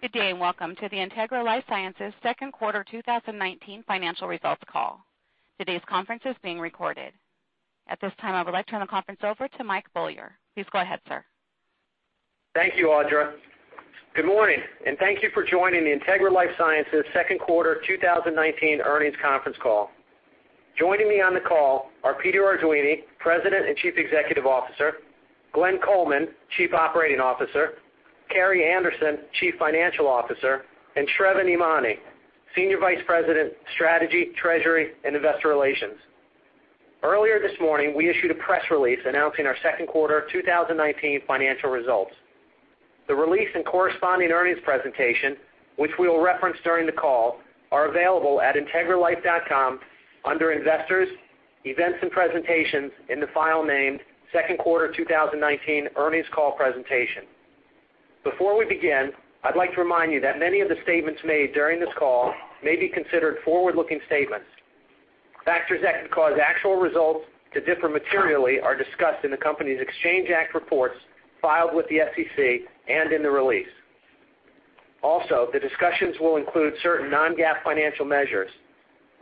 Good day and welcome to the Integra LifeSciences Q2 2019 Financial Results Call. Today's conference is being recorded. At this time, I would like to turn the conference over to Michael Beaulieu. Please go ahead, sir. Thank you, Audra. Good morning, and thank you for joining the Integra LifeSciences Q2 2019 Earnings Conference Call. Joining me on the call are Peter Arduini, President and Chief Executive Officer; Glenn Coleman, Chief Operating Officer; Carrie Anderson, Chief Financial Officer; and Sravan Emany, Senior Vice President, Strategy, Treasury, and Investor Relations. Earlier this morning, we issued a press release announcing our Q2 2019 financial results. The release and corresponding earnings presentation, which we will reference during the call, are available at integralifesciences.com under Investors, Events and Presentations, in the file named Q2 2019 Earnings Call Presentation. Before we begin, I'd like to remind you that many of the statements made during this call may be considered forward-looking statements. Factors that could cause actual results to differ materially are discussed in the company's Exchange Act reports filed with the SEC and in the release. Also, the discussions will include certain non-GAAP financial measures.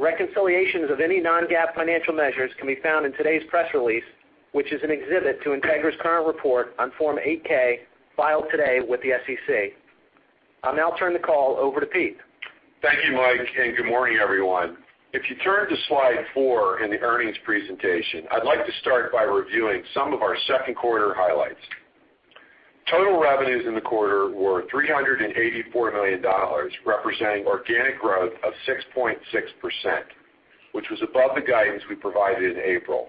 Reconciliations of any non-GAAP financial measures can be found in today's press release, which is an exhibit to Integra's current report on Form 8-K filed today with the SEC. I'll now turn the call over to Pete. Thank you, Mike, and good morning, everyone. If you turn to slide four in the earnings presentation, I'd like to start by reviewing some of our Q2 highlights. Total revenues in the quarter were $384 million, representing organic growth of 6.6%, which was above the guidance we provided in April.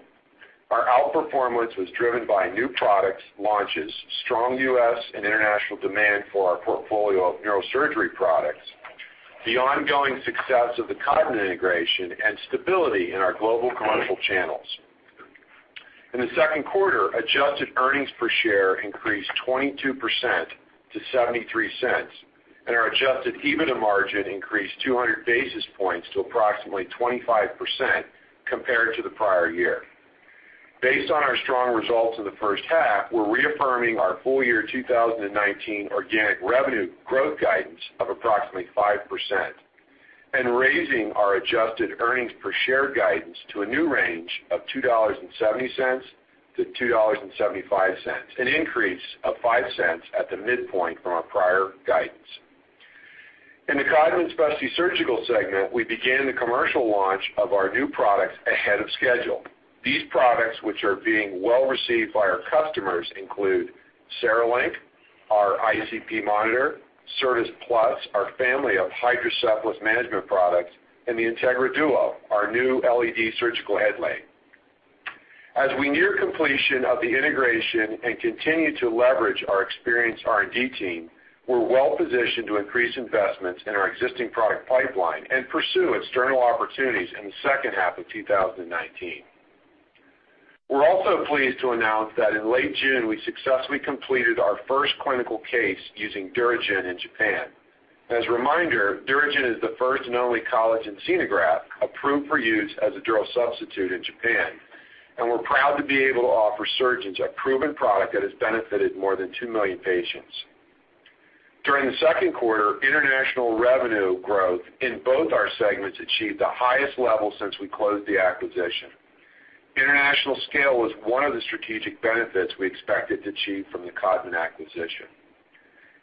Our outperformance was driven by new product launches, strong U.S. and international demand for our portfolio of neurosurgery products, the ongoing success of the Codman integration, and stability in our global commercial channels. In the Q2, adjusted earnings per share increased 22% to $0.73, and our adjusted EBITDA margin increased 200 basis points to approximately 25% compared to the prior year. Based on our strong results in the first half, we're reaffirming our full year 2019 organic revenue growth guidance of approximately 5% and raising our adjusted earnings per share guidance to a new range of $2.70-$2.75, an increase of $0.05 at the midpoint from our prior guidance. In the Codman Specialty Surgical segment, we began the commercial launch of our new products ahead of schedule. These products, which are being well received by our customers, include CereLink, our ICP monitor, Certas Plus, our family of hydrocephalus management products, and the Integra Duo, our new LED surgical headlight. As we near completion of the integration and continue to leverage our experienced R&D team, we're well positioned to increase investments in our existing product pipeline and pursue external opportunities in the second half of 2019. We're also pleased to announce that in late June, we successfully completed our first clinical case using DuraGen in Japan. As a reminder, DuraGen is the first and only collagen xenograft approved for use as a dural substitute in Japan, and we're proud to be able to offer surgeons a proven product that has benefited more than 2 million patients. During the Q2, international revenue growth in both our segments achieved the highest level since we closed the acquisition. International scale was one of the strategic benefits we expected to achieve from the Codman acquisition.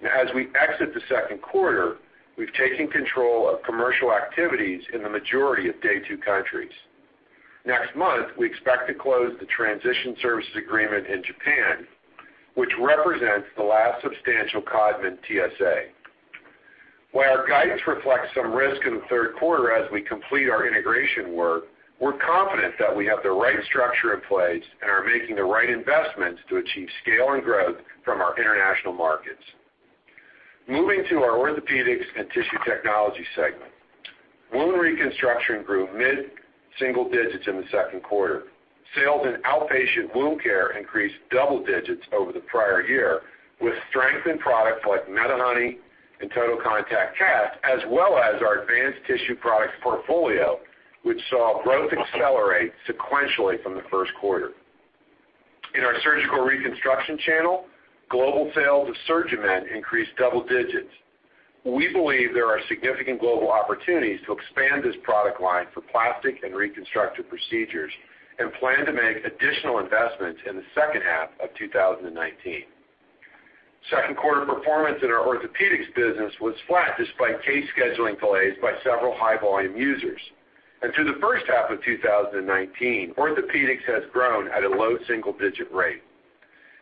As we exit the Q2, we've taken control of commercial activities in the majority of Day 2 countries. Next month, we expect to close the transition services agreement in Japan, which represents the last substantial Codman TSA. While our guidance reflects some risk in the Q3 as we complete our integration work, we're confident that we have the right structure in place and are making the right investments to achieve scale and growth from our international markets. Moving to our Orthopedics and Tissue Technologies segment, Wound Reconstruction grew mid-single digits in the Q2. Sales in Outpatient Wound Care increased double digits over the prior year, with strength in products like MediHoney and Total Contact Cast, as well as our advanced tissue product portfolio, which saw growth accelerate sequentially from the Q1. In our Surgical Reconstruction channel, global sales of SurgiMend increased double digits. We believe there are significant global opportunities to expand this product line for plastic and reconstructive procedures and plan to make additional investments in the second half of 2019. Q2 performance in our orthopedics business was flat despite case scheduling delays by several high-volume users. And through the first half of 2019, orthopedics has grown at a low single-digit rate.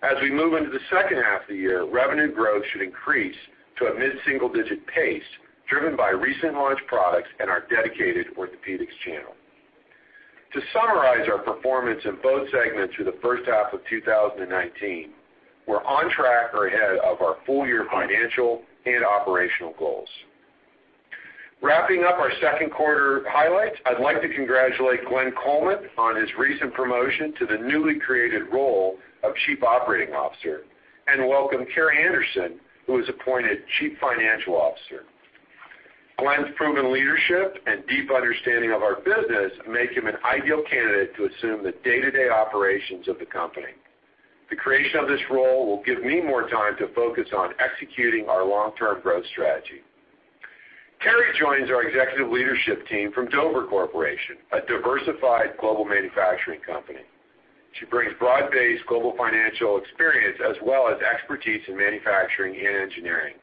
As we move into the second half of the year, revenue growth should increase to a mid-single-digit pace driven by recent launch products and our dedicated orthopedics channel. To summarize our performance in both segments through the first half of 2019, we're on track or ahead of our full year financial and operational goals. Wrapping up our Q2 highlights, I'd like to congratulate Glenn Coleman on his recent promotion to the newly created role of Chief Operating Officer and welcome Carrie Anderson, who was appointed Chief Financial Officer. Glenn's proven leadership and deep understanding of our business make him an ideal candidate to assume the day-to-day operations of the company. The creation of this role will give me more time to focus on executing our long-term growth strategy. Carrie joins our executive leadership team from Dover Corporation, a diversified global manufacturing company. She brings broad-based global financial experience as well as expertise in manufacturing and engineering.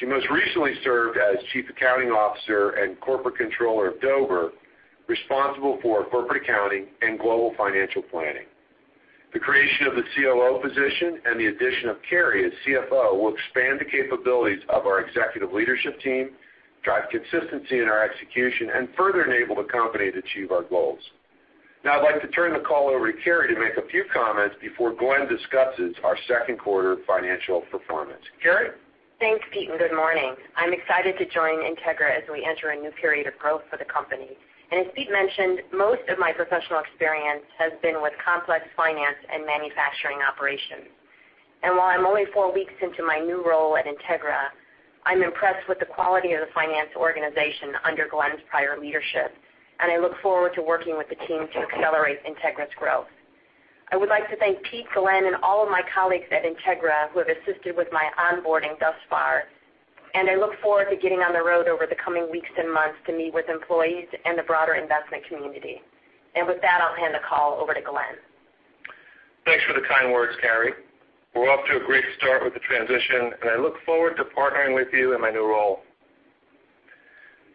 She most recently served as Chief Accounting Officer and Corporate Controller of Dover, responsible for corporate accounting and global financial planning. The creation of the COO position and the addition of Carrie as CFO will expand the capabilities of our executive leadership team, drive consistency in our execution, and further enable the company to achieve our goals. Now, I'd like to turn the call over to Carrie to make a few comments before Glenn discusses our Q2 financial performance. Carrie? Thanks, Pete, and good morning. I'm excited to join Integra as we enter a new period of growth for the company, and as Pete mentioned, most of my professional experience has been with complex finance and manufacturing operations, and while I'm only four weeks into my new role at Integra, I'm impressed with the quality of the finance organization under Glenn's prior leadership, and I look forward to working with the team to accelerate Integra's growth. I would like to thank Pete, Glenn, and all of my colleagues at Integra who have assisted with my onboarding thus far, and I look forward to getting on the road over the coming weeks and months to meet with employees and the broader investment community, and with that, I'll hand the call over to Glenn. Thanks for the kind words, Carrie. We're off to a great start with the transition, and I look forward to partnering with you in my new role.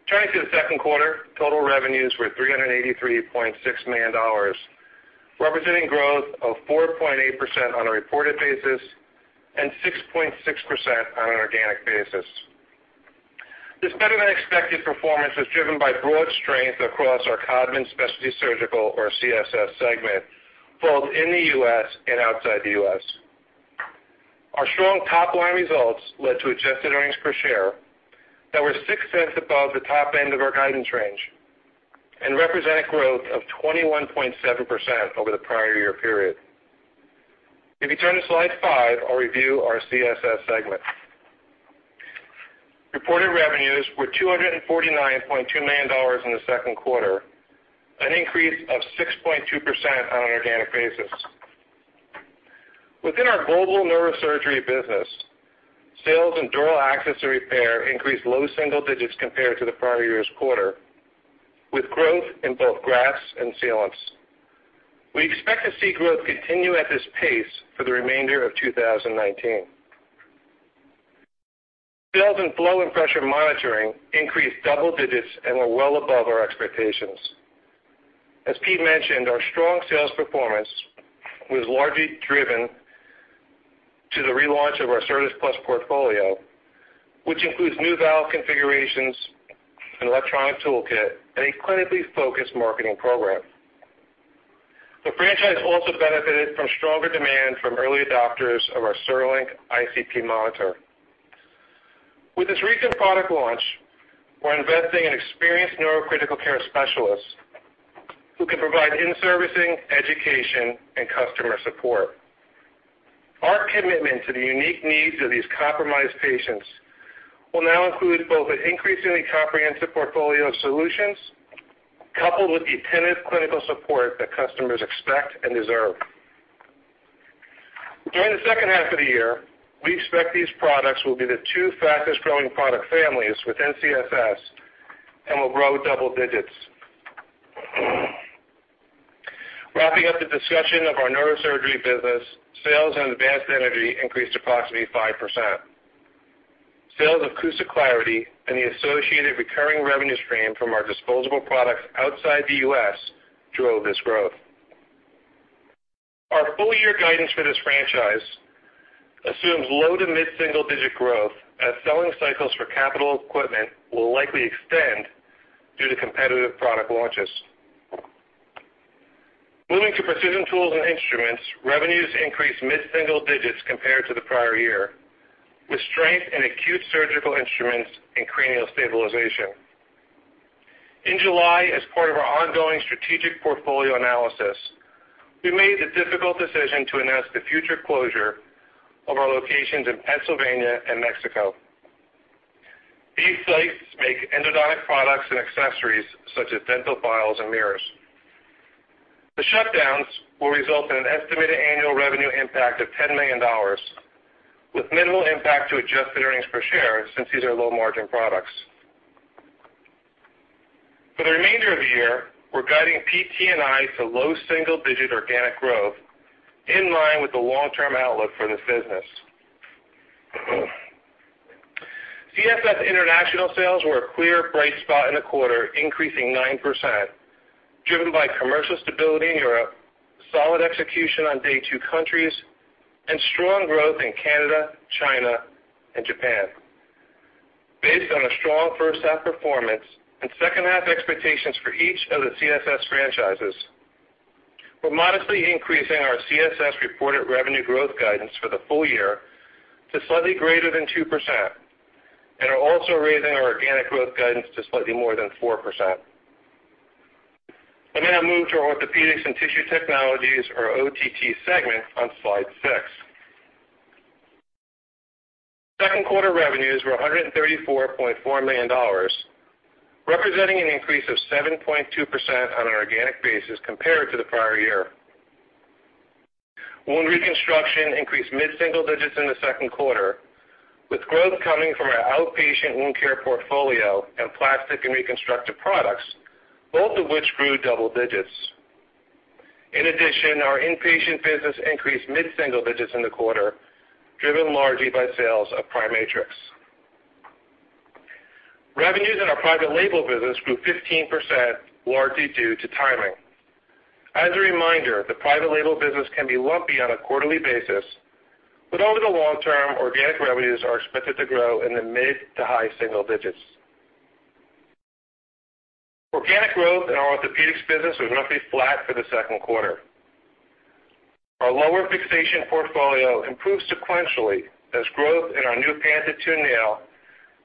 Turning to the Q2, total revenues were $383.6 million, representing growth of 4.8% on a reported basis and 6.6% on an organic basis. This better-than-expected performance was driven by broad strength across our Codman Specialty Surgical, or CSS, segment, both in the U.S. and outside the U.S. Our strong top-line results led to adjusted earnings per share that were $0.06 above the top end of our guidance range and represented growth of 21.7% over the prior year period. If you turn to slide five, I'll review our CSS segment. Reported revenues were $249.2 million in the Q2, an increase of 6.2% on an organic basis. Within our global neurosurgery business, sales in Dural Access and Repair increased low single digits compared to the prior year's quarter, with growth in both grafts and sealants. We expect to see growth continue at this pace for the remainder of 2019. Sales in Flow and Pressure Monitoring increased double digits and were well above our expectations. As Pete mentioned, our strong sales performance was largely driven to the relaunch of our Certas Plus portfolio, which includes new valve configurations, an electronic toolkit, and a clinically focused marketing program. The franchise also benefited from stronger demand from early adopters of our CereLink ICP monitor. With this recent product launch, we're investing in experienced neurocritical care specialists who can provide in-servicing, education, and customer support. Our commitment to the unique needs of these compromised patients will now include both an increasingly comprehensive portfolio of solutions coupled with the attentive clinical support that customers expect and deserve. During the second half of the year, we expect these products will be the two fastest-growing product families within CSS and will grow double digits. Wrapping up the discussion of our neurosurgery business, sales in Advanced Energy increased approximately 5%. Sales of CUSA Clarity and the associated recurring revenue stream from our disposable products outside the U.S. drove this growth. Our full year guidance for this franchise assumes low- to mid-single-digit growth as selling cycles for capital equipment will likely extend due to competitive product launches. Moving to Precision Tools and Instruments, revenues increased mid-single digits compared to the prior year, with strength in acute surgical instruments and cranial stabilization. In July, as part of our ongoing strategic portfolio analysis, we made the difficult decision to announce the future closure of our locations in Pennsylvania and Mexico. These sites make endodontic products and accessories such as dental files and mirrors. The shutdowns will result in an estimated annual revenue impact of $10 million, with minimal impact to adjusted earnings per share since these are low-margin products. For the remainder of the year, we're guiding PT&I to low single-digit organic growth in line with the long-term outlook for this business. CSS International sales were a clear bright spot in the quarter, increasing 9%, driven by commercial stability in Europe, solid execution on day two countries, and strong growth in Canada, China, and Japan. Based on a strong first-half performance and second-half expectations for each of the CSS franchises, we're modestly increasing our CSS reported revenue growth guidance for the full year to slightly greater than 2% and are also raising our organic growth guidance to slightly more than 4%. I'm going to move to our orthopedics and tissue technologies, or OTT, segment on slide six. Q2 revenues were $134.4 million, representing an increase of 7.2% on an organic basis compared to the prior year. Wound Reconstruction increased mid-single digits in the Q2, with growth coming from our Outpatient Wound Care portfolio and plastic and reconstructive products, both of which grew double digits. In addition, our inpatient business increased mid-single digits in the quarter, driven largely by sales of PriMatrix. Revenues in our Private Label business grew 15%, largely due to timing. As a reminder, the Private Label business can be lumpy on a quarterly basis, but over the long term, organic revenues are expected to grow in the mid- to high-single digits. Organic growth in our Orthopedics business was roughly flat for the Q2. Our lower fixation portfolio improved sequentially as growth in our new Panta II nail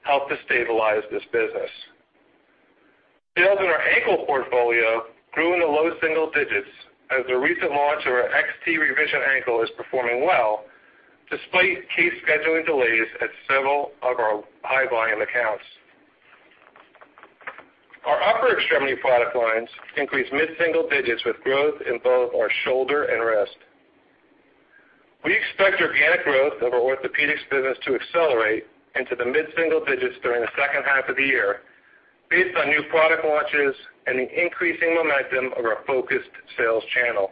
helped to stabilize this business. Sales in our ankle portfolio grew in the low single digits as the recent launch of our XT revision ankle is performing well despite case scheduling delays at several of our high-volume accounts. Our upper extremity product lines increased mid-single digits with growth in both our shoulder and wrist. We expect organic growth of our Orthopedics business to accelerate into the mid-single digits during the second half of the year based on new product launches and the increasing momentum of our focused sales channel.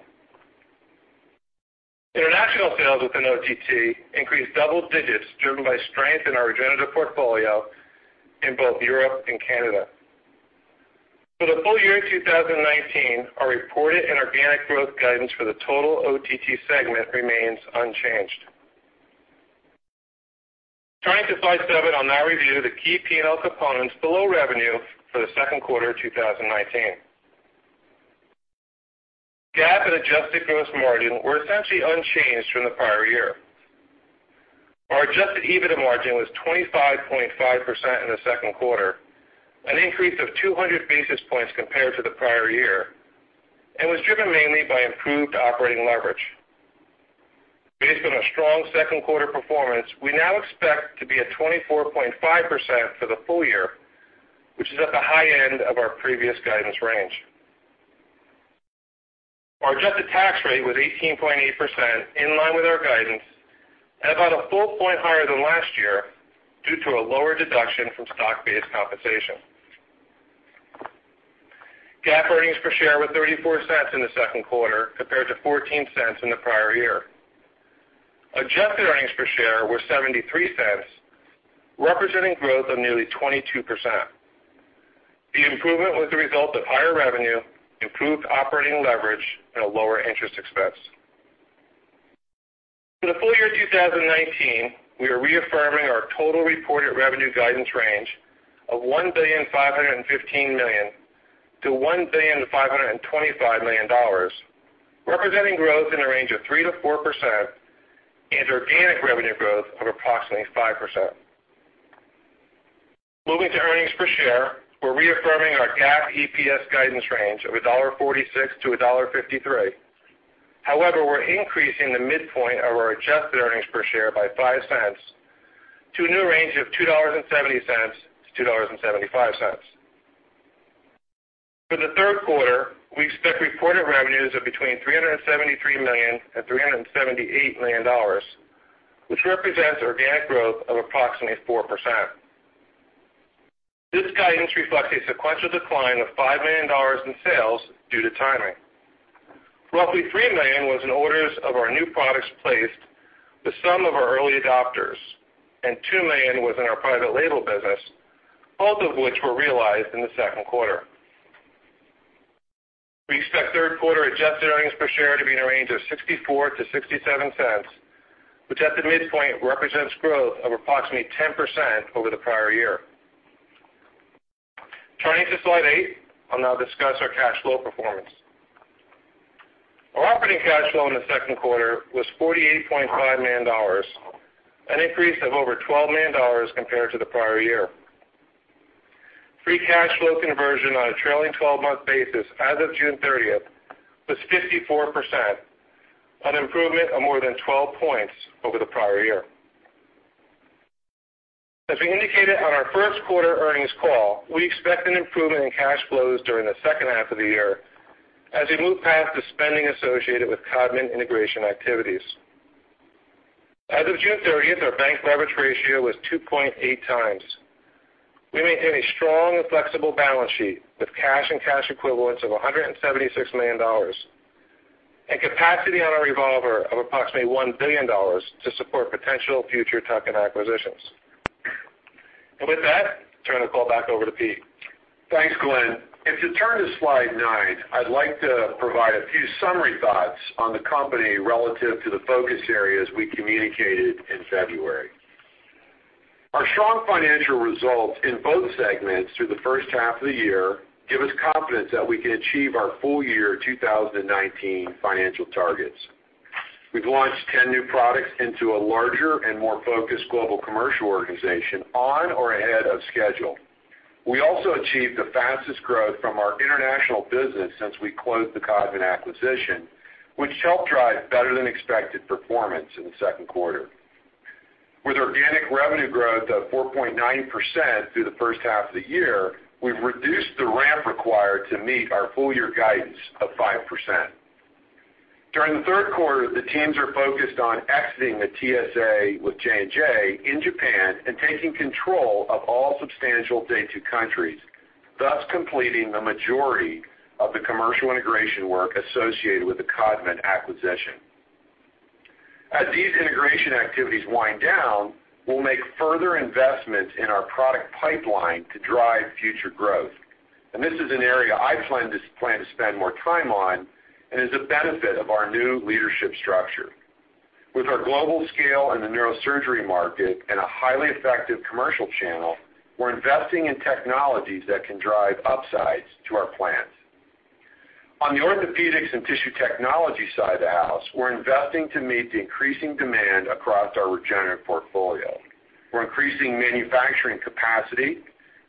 International sales within OTT increased double digits driven by strength in our regenerative portfolio in both Europe and Canada. For the full year 2019, our reported and organic growth guidance for the total OTT segment remains unchanged. Turning to slide seven, I'll now review the key P&L components below revenue for the Q2 of 2019. GAAP and adjusted gross margin were essentially unchanged from the prior year. Our adjusted EBITDA margin was 25.5% in the Q2, an increase of 200 basis points compared to the prior year, and was driven mainly by improved operating leverage. Based on our strong Q2 performance, we now expect to be at 24.5% for the full year, which is at the high end of our previous guidance range. Our adjusted tax rate was 18.8%, in line with our guidance, and about a full point higher than last year due to a lower deduction from stock-based compensation. GAAP earnings per share were $0.34 in the Q2 compared to $0.14 in the prior year. Adjusted earnings per share were $0.73, representing growth of nearly 22%. The improvement was the result of higher revenue, improved operating leverage, and a lower interest expense. For the full year 2019, we are reaffirming our total reported revenue guidance range of $1,515,000,000-$1,525,000,000, representing growth in the range of 3%-4% and organic revenue growth of approximately 5%. Moving to earnings per share, we're reaffirming our GAAP EPS guidance range of $1.46-$1.53. However, we're increasing the midpoint of our adjusted earnings per share by $0.05 to a new range of $2.70-$2.75. For the Q3, we expect reported revenues of between $373 million and $378 million which represents organic growth of approximately 4%. This guidance reflects a sequential decline of $5 million in sales due to timing. Roughly $3 million was in orders of our new products placed with some of our early adopters, and $2 million was in our Private Label business, both of which were realized in the Q2. We expect Q3 adjusted earnings per share to be in the range of $0.64 to $0.67, which at the midpoint represents growth of approximately 10% over the prior year. Turning to slide eight, I'll now discuss our cash flow performance. Our operating cash flow in the Q2 was $48.5 million, an increase of over $12 million compared to the prior year. Free cash flow conversion on a trailing 12-month basis as of June 30th was 54%, an improvement of more than 12 points over the prior year. As we indicated on our Q1 earnings call, we expect an improvement in cash flows during the second half of the year as we move past the spending associated with Codman integration activities. As of June 30th, our bank leverage ratio was 2.8 times. We maintain a strong and flexible balance sheet with cash and cash equivalents of $176 million and capacity on our revolver of approximately $1 billion to support potential future tuck-in acquisitions. With that, turn the call back over to Pete. Thanks, Glenn. If you turn to slide nine, I'd like to provide a few summary thoughts on the company relative to the focus areas we communicated in February. Our strong financial results in both segments through the first half of the year give us confidence that we can achieve our full year 2019 financial targets. We've launched 10 new products into a larger and more focused global commercial organization on or ahead of schedule. We also achieved the fastest growth from our international business since we closed the Codman acquisition, which helped drive better-than-expected performance in the Q2. With organic revenue growth of 4.9% through the first half of the year, we've reduced the ramp required to meet our full year guidance of 5%. During the Q3, the teams are focused on exiting the TSA with J&J in Japan and taking control of all substantial day two countries, thus completing the majority of the commercial integration work associated with the Codman acquisition. As these integration activities wind down, we'll make further investments in our product pipeline to drive future growth, and this is an area I plan to spend more time on and is a benefit of our new leadership structure. With our global scale in the neurosurgery market and a highly effective commercial channel, we're investing in technologies that can drive upsides to our plans. On the Orthopedics and Tissue Technologies side of the house, we're investing to meet the increasing demand across our regenerative portfolio. We're increasing manufacturing capacity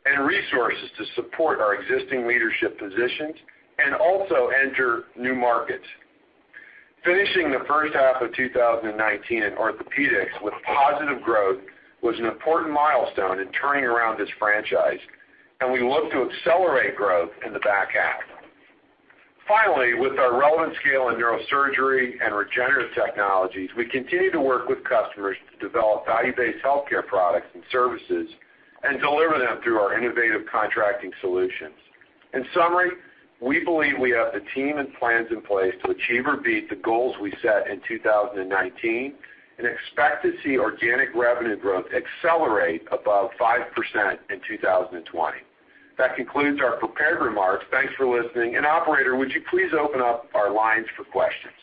and resources to support our existing leadership positions and also enter new markets. Finishing the first half of 2019 in orthopedics with positive growth was an important milestone in turning around this franchise, and we look to accelerate growth in the back half. Finally, with our relevant scale in neurosurgery and regenerative technologies, we continue to work with customers to develop value-based healthcare products and services and deliver them through our innovative contracting solutions. In summary, we believe we have the team and plans in place to achieve or beat the goals we set in 2019 and expect to see organic revenue growth accelerate above 5% in 2020. That concludes our prepared remarks. Thanks for listening, and Operator, would you please open up our lines for questions?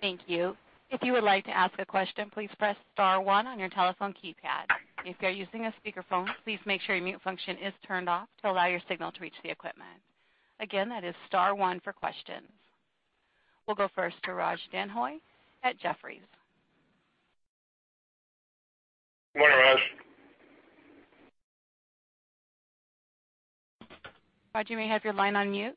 Thank you. If you would like to ask a question, please press star one on your telephone keypad. If you're using a speakerphone, please make sure your mute function is turned off to allow your signal to reach the equipment. Again, that is star one for questions. We'll go first to Raj Denhoy at Jefferies. Good morning, Raj. Raj, you may have your line on mute.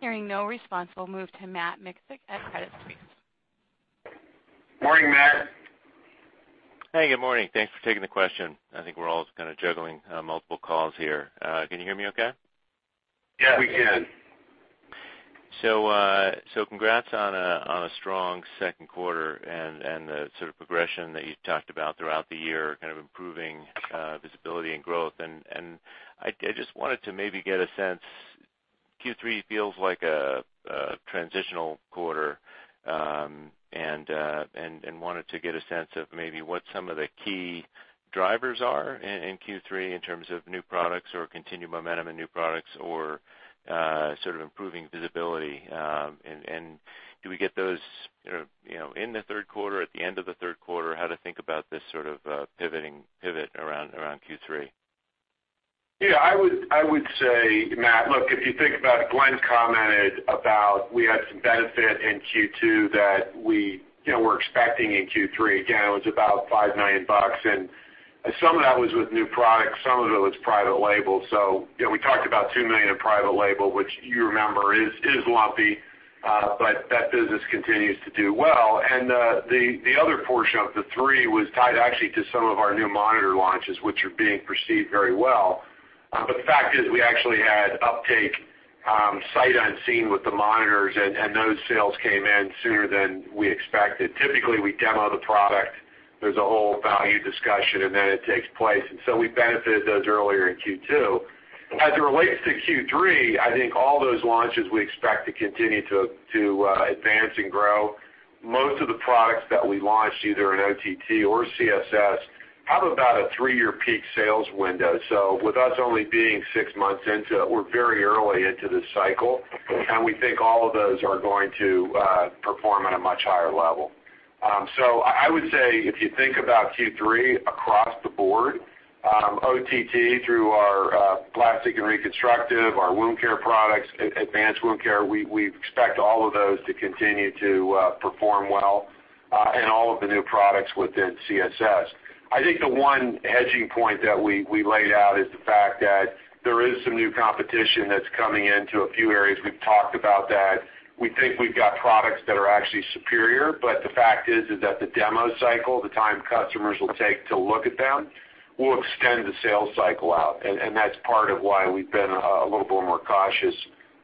Hearing no response, we'll move to Matt Miksic at Credit Suisse. Morning, Matt. Hey, good morning. Thanks for taking the question. I think we're all kind of juggling multiple calls here. Can you hear me okay? Yes, we can. Congrats on a strong Q2 and the sort of progression that you talked about throughout the year, kind of improving visibility and growth. I just wanted to maybe get a sense. Q3 feels like a transitional quarter, and wanted to get a sense of maybe what some of the key drivers are in Q3 in terms of new products or continued momentum in new products or sort of improving visibility. Do we get those in the Q3, at the end of the Q3? How to think about this sort of pivot around Q3? Yeah, I would say, Matt, look, if you think about, Glenn commented about we had some benefit in Q2 that we were expecting in Q3. Again, it was about $5 million, and some of that was with new products, some of it was Private Label. So, we talked about $2 million in Private Label, which you remember is lumpy, but that business continues to do well. And the other portion of the three was tied actually to some of our new monitor launches, which are being perceived very well. But the fact is we actually had uptake sight unseen with the monitors, and those sales came in sooner than we expected. Typically, we demo the product, there's a whole value discussion, and then it takes place. And so, we benefited those earlier in Q2. As it relates to Q3, I think all those launches we expect to continue to advance and grow. Most of the products that we launched, either in OTT or CSS, have about a three-year peak sales window. So with us only being six months into it, we're very early into this cycle, and we think all of those are going to perform at a much higher level. So I would say if you think about Q3 across the board, OTT through our plastic and reconstructive, our Wound Care products, advanced Wound Care, we expect all of those to continue to perform well and all of the new products within CSS. I think the one hedging point that we laid out is the fact that there is some new competition that's coming into a few areas. We've talked about that. We think we've got products that are actually superior, but the fact is that the demo cycle, the time customers will take to look at them, will extend the sales cycle out, and that's part of why we've been a little bit more cautious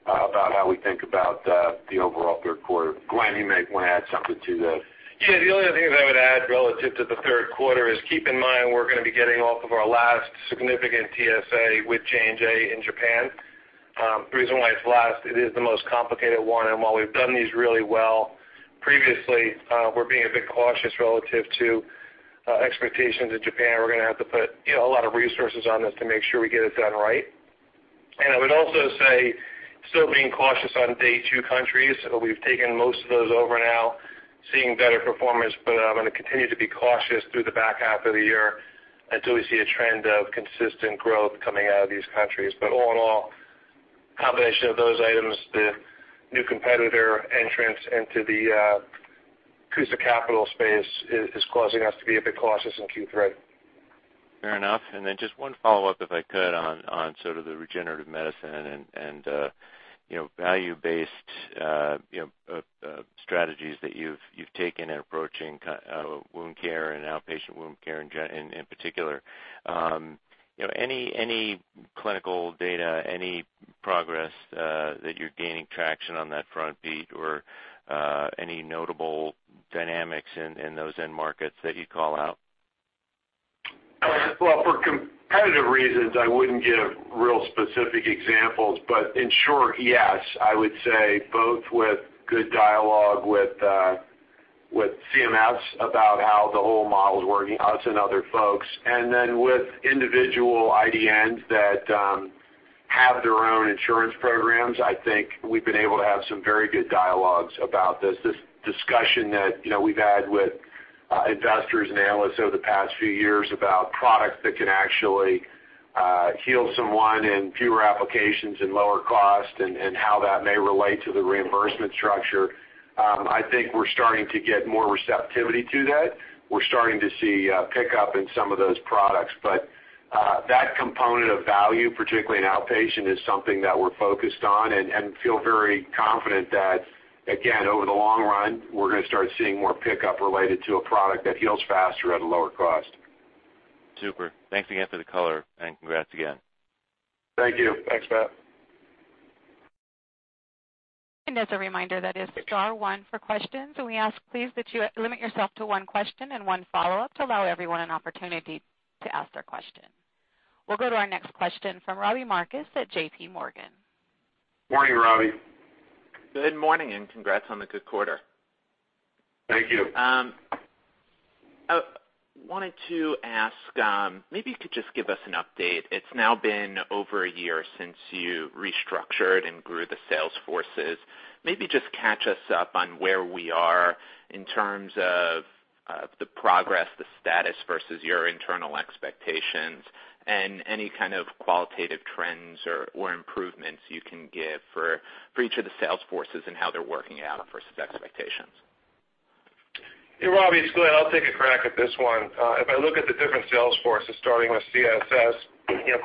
about how we think about the overall Q3. Glenn, you may want to add something to that. Yeah, the only other thing that I would add relative to the Q3 is keep in mind we're going to be getting off of our last significant TSA with J&J in Japan. The reason why it's last, it is the most complicated one, and while we've done these really well previously, we're being a bit cautious relative to expectations in Japan. We're going to have to put a lot of resources on this to make sure we get it done right. I would also say, still being cautious on Day two countries. We've taken most of those over now, seeing better performance, but I'm going to continue to be cautious through the back half of the year until we see a trend of consistent growth coming out of these countries. But all in all, combination of those items, the new competitor entrance into the CUSA Clarity space is causing us to be a bit cautious in Q3. Fair enough. And then just one follow-up, if I could, on sort of the regenerative medicine and value-based strategies that you've taken in approaching Wound Care and Outpatient Wound Care in particular. Any clinical data, any progress that you're gaining traction on that front, Pete, or any notable dynamics in those end markets that you call out? Well, for competitive reasons, I wouldn't give real specific examples, but in short, yes, I would say both with good dialogue with CMS about how the whole model is working, us and other folks. And then with individual IDNs that have their own insurance programs, I think we've been able to have some very good dialogues about this. This discussion that we've had with investors and analysts over the past few years about products that can actually heal someone in fewer applications and lower cost and how that may relate to the reimbursement structure. I think we're starting to get more receptivity to that. We're starting to see pickup in some of those products. But that component of value, particularly in outpatient, is something that we're focused on and feel very confident that, again, over the long run, we're going to start seeing more pickup related to a product that heals faster at a lower cost. Super. Thanks again for the color and congrats again. Thank you. Thanks, Matt. And as a reminder, that is star one for questions. And we ask please that you limit yourself to one question and one follow-up to allow everyone an opportunity to ask their question. We'll go to our next question from Robbie Marcus at JPMorgan. Morning, Robbie. Good morning and congrats on the good quarter. Thank you. I wanted to ask, maybe you could just give us an update. It's now been over a year since you restructured and grew the sales forces. Maybe just catch us up on where we are in terms of the progress, the status versus your internal expectations, and any kind of qualitative trends or improvements you can give for each of the sales forces and how they're working out versus expectations. Hey, Robbie, it's Glenn. I'll take a crack at this one. If I look at the different sales forces, starting with CSS,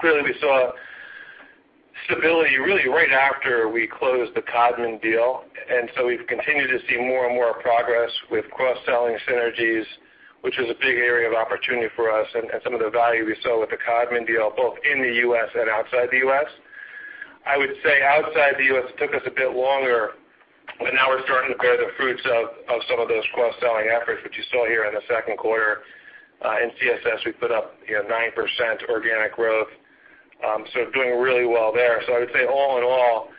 clearly we saw stability really right after we closed the Codman deal. And so we've continued to see more and more progress with cross-selling synergies, which is a big area of opportunity for us and some of the value we saw with the Codman deal, both in the U.S. and outside the U.S. I would say outside the U.S., it took us a bit longer, but now we're starting to bear the fruits of some of those cross-selling efforts, which you saw here in the Q2. In CSS, we put up 9% organic growth, so doing really well there. So I would say all in all,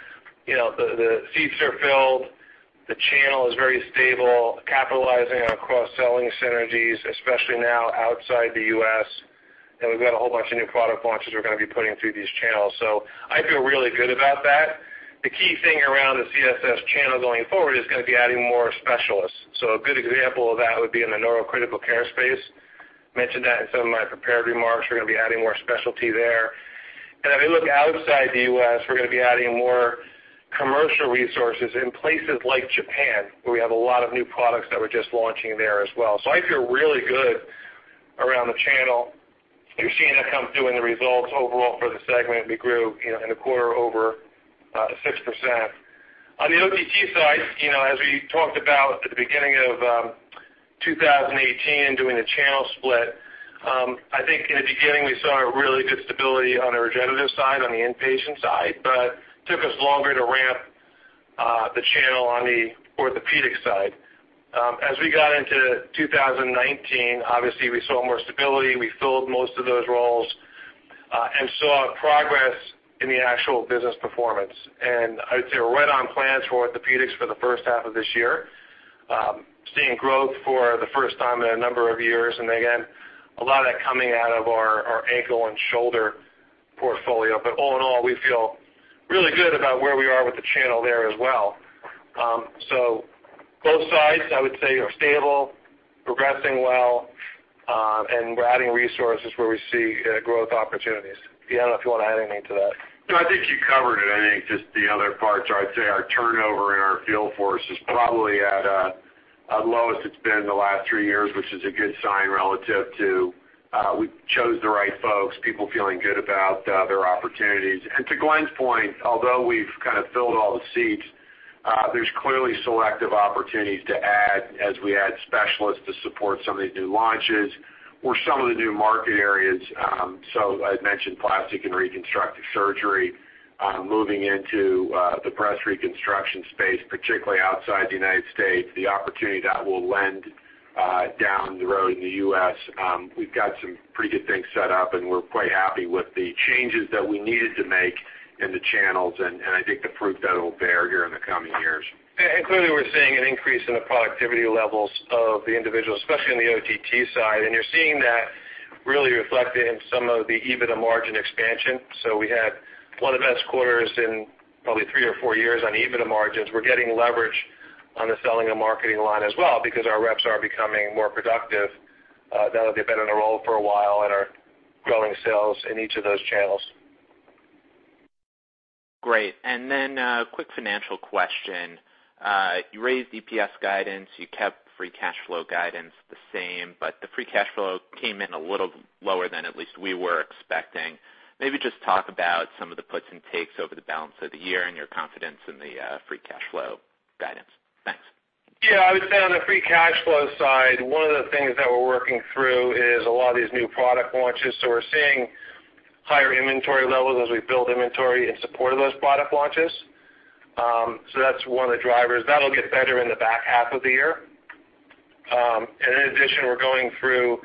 the seats are filled, the channel is very stable, capitalizing on cross-selling synergies, especially now outside the U.S. We've got a whole bunch of new product launches we're going to be putting through these channels. I feel really good about that. The key thing around the CSS channel going forward is going to be adding more specialists. A good example of that would be in the neurocritical care space. I mentioned that in some of my prepared remarks. We're going to be adding more specialty there. If we look outside the U.S., we're going to be adding more commercial resources in places like Japan, where we have a lot of new products that we're just launching there as well. I feel really good around the channel. You're seeing that come through in the results overall for the segment. We grew in the quarter over 6%. On the OTT side, as we talked about at the beginning of 2018, doing a channel split, I think in the beginning we saw really good stability on the regenerative side, on the inpatient side, but it took us longer to ramp the channel on the orthopedic side. As we got into 2019, obviously we saw more stability. We filled most of those roles and saw progress in the actual business performance, and I would say we're right on plans for orthopedics for the first half of this year, seeing growth for the first time in a number of years, and again, a lot of that coming out of our ankle and shoulder portfolio, but all in all, we feel really good about where we are with the channel there as well. So both sides, I would say, are stable, progressing well, and we're adding resources where we see growth opportunities. Yeah, I don't know if you want to add anything to that. No, I think you covered it. I think just the other parts, I'd say our turnover in our field force is probably at a low as it's been in the last three years, which is a good sign relative to we chose the right folks, people feeling good about their opportunities. And to Glenn's point, although we've kind of filled all the seats, there's clearly selective opportunities to add as we add specialists to support some of these new launches or some of the new market areas. So I'd mentioned plastic and reconstructive surgery, moving into the breast reconstruction space, particularly outside the United States, the opportunity that will lend down the road in the US. We've got some pretty good things set up, and we're quite happy with the changes that we needed to make in the channels, and I think the fruit that it'll bear here in the coming years, and clearly we're seeing an increase in the productivity levels of the individuals, especially on the OTT side, and you're seeing that really reflected in some of the EBITDA margin expansion, so we had one of the best quarters in probably three or four years on EBITDA margins. We're getting leverage on the selling and marketing line as well because our reps are becoming more productive. Now that they've been on the roll for a while and are growing sales in each of those channels. Great. And then a quick financial question. You raised EPS guidance. You kept free cash flow guidance the same, but the free cash flow came in a little lower than at least we were expecting. Maybe just talk about some of the puts and takes over the balance of the year and your confidence in the free cash flow guidance. Thanks. Yeah, I would say on the free cash flow side, one of the things that we're working through is a lot of these new product launches. So we're seeing higher inventory levels as we build inventory in support of those product launches. So that's one of the drivers. That'll get better in the back half of the year. And in addition, we're going through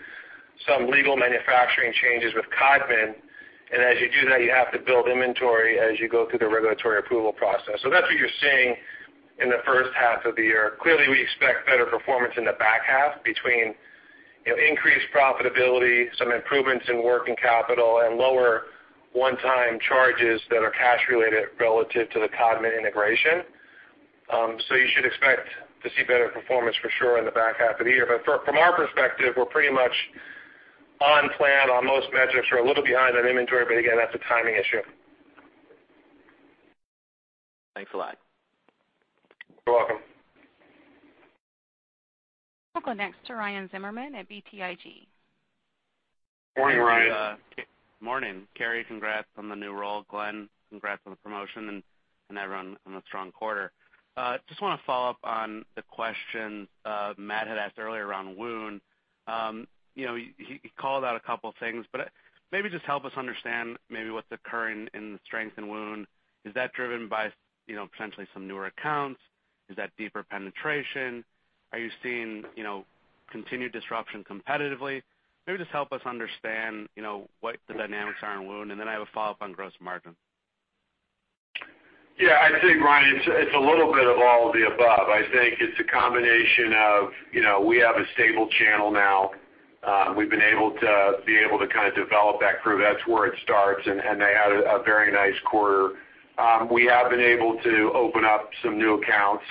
some legal manufacturing changes with Codman. And as you do that, you have to build inventory as you go through the regulatory approval process. So that's what you're seeing in the first half of the year. Clearly, we expect better performance in the back half between increased profitability, some improvements in working capital, and lower one-time charges that are cash-related relative to the Codman integration. So you should expect to see better performance for sure in the back half of the year. But from our perspective, we're pretty much on plan on most metrics. We're a little behind on inventory, but again, that's a timing issue. Thanks a lot. You're welcome. We'll go next to Ryan Zimmerman at BTIG. Morning, Ryan. Morning, Carrie. Congrats on the new role, Glenn. Congrats on the promotion and everyone on the strong quarter. Just want to follow up on the questions Matt had asked earlier around Wound. He called out a couple of things, but maybe just help us understand maybe what's occurring in the strength in Wound. Is that driven by potentially some newer accounts? Is that deeper penetration? Are you seeing continued disruption competitively? Maybe just help us understand what the dynamics are in Wound. And then I have a follow-up on gross margin. Yeah, I'd say, Ryan, it's a little bit of all of the above. I think it's a combination of we have a stable channel now. We've been able to kind of develop that crew. That's where it starts, and they had a very nice quarter. We have been able to open up some new accounts.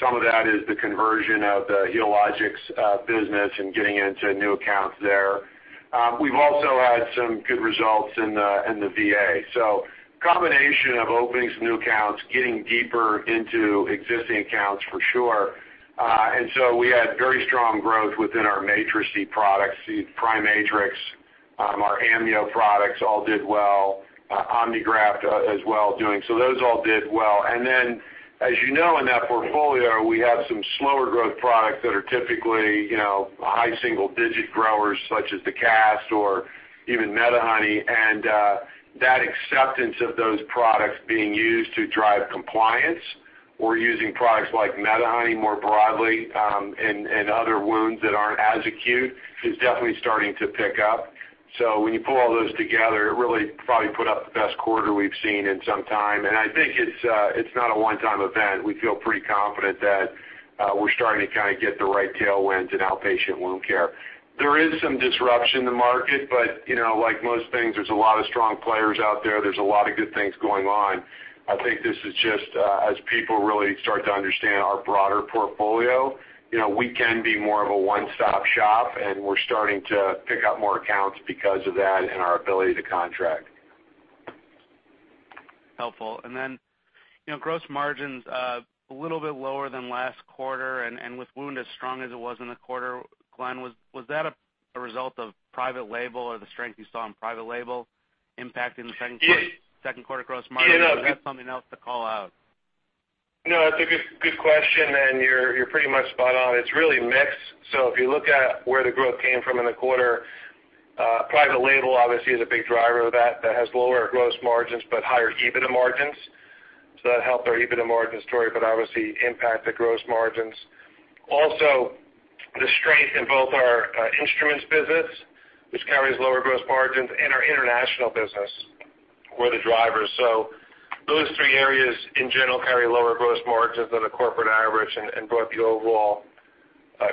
Some of that is the conversion of the Healogics business and getting into new accounts there. We've also had some good results in the VA. So combination of opening some new accounts, getting deeper into existing accounts for sure. And so we had very strong growth within our matrix products. PriMatrix, our Amnio products all did well. OmniGraft as well doing. So those all did well. And then, as you know, in that portfolio, we have some slower growth products that are typically high single-digit growers such as the cast or even MEDIHONEY. And that acceptance of those products being used to drive compliance or using products like MEDIHONEY more broadly and other wounds that aren't as acute is definitely starting to pick up. So when you pull all those together, it really probably put up the best quarter we've seen in some time. And I think it's not a one-time event. We feel pretty confident that we're starting to kind of get the right tailwinds in Outpatient Wound Care. There is some disruption in the market, but like most things, there's a lot of strong players out there. There's a lot of good things going on. I think this is just as people really start to understand our broader portfolio, we can be more of a one-stop shop, and we're starting to pick up more accounts because of that and our ability to contract. Helpful. And then gross margins a little bit lower than last quarter. And with Wound as strong as it was in the quarter, Glenn, was that a result of Private Label or the strength you saw in Private Label impacting the Q2 gross margin? Or is that something else to call out? No, that's a good question, and you're pretty much spot on. It's really mixed. So if you look at where the growth came from in the quarter, Private Label obviously is a big driver of that. That has lower gross margins but higher EBITDA margins. So that helped our EBITDA margin story, but obviously impacted gross margins. Also, the strength in both our instruments business, which carries lower gross margins, and our international business were the drivers. So those three areas in general carry lower gross margins than the corporate average and brought the overall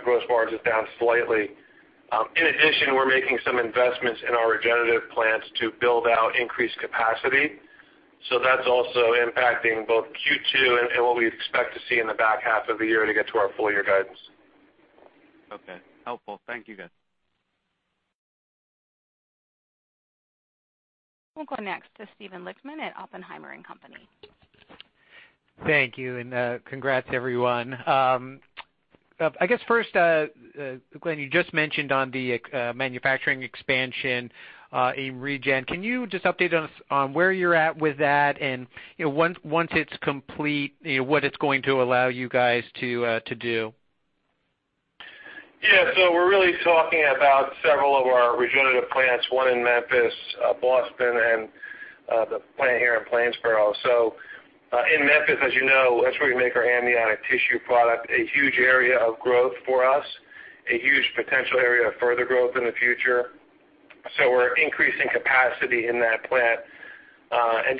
gross margins down slightly. In addition, we're making some investments in our regenerative plants to build out increased capacity. So that's also impacting both Q2 and what we expect to see in the back half of the year to get to our full-year guidance. Okay. Helpful. Thank you guys. We'll go next to Steven Lichtman at Oppenheimer & Company Thank you. And congrats everyone. I guess first, Glenn, you just mentioned on the manufacturing expansion in region. Can you just update us on where you're at with that and once it's complete, what it's going to allow you guys to do? Yeah. We're really talking about several of our regenerative plants, one in Memphis, Boston, and the plant here in Plainsboro. In Memphis, as you know, that's where we make our amniotic tissue product, a huge area of growth for us, a huge potential area of further growth in the future. We're increasing capacity in that plant.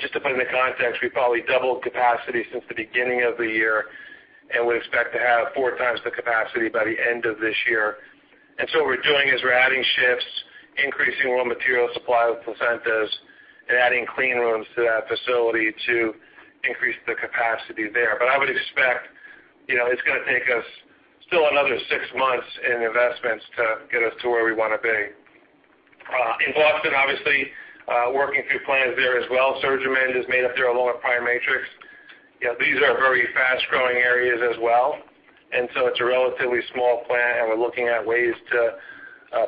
Just to put it in the context, we probably doubled capacity since the beginning of the year and would expect to have four times the capacity by the end of this year. What we're doing is we're adding shifts, increasing raw material supply with placentas, and adding clean rooms to that facility to increase the capacity there. I would expect it's going to take us still another six months in investments to get us to where we want to be. In Boston, obviously, working through plans there as well. SurgiMend is made up there along with PriMatrix. These are very fast-growing areas as well. And so it's a relatively small plant, and we're looking at ways to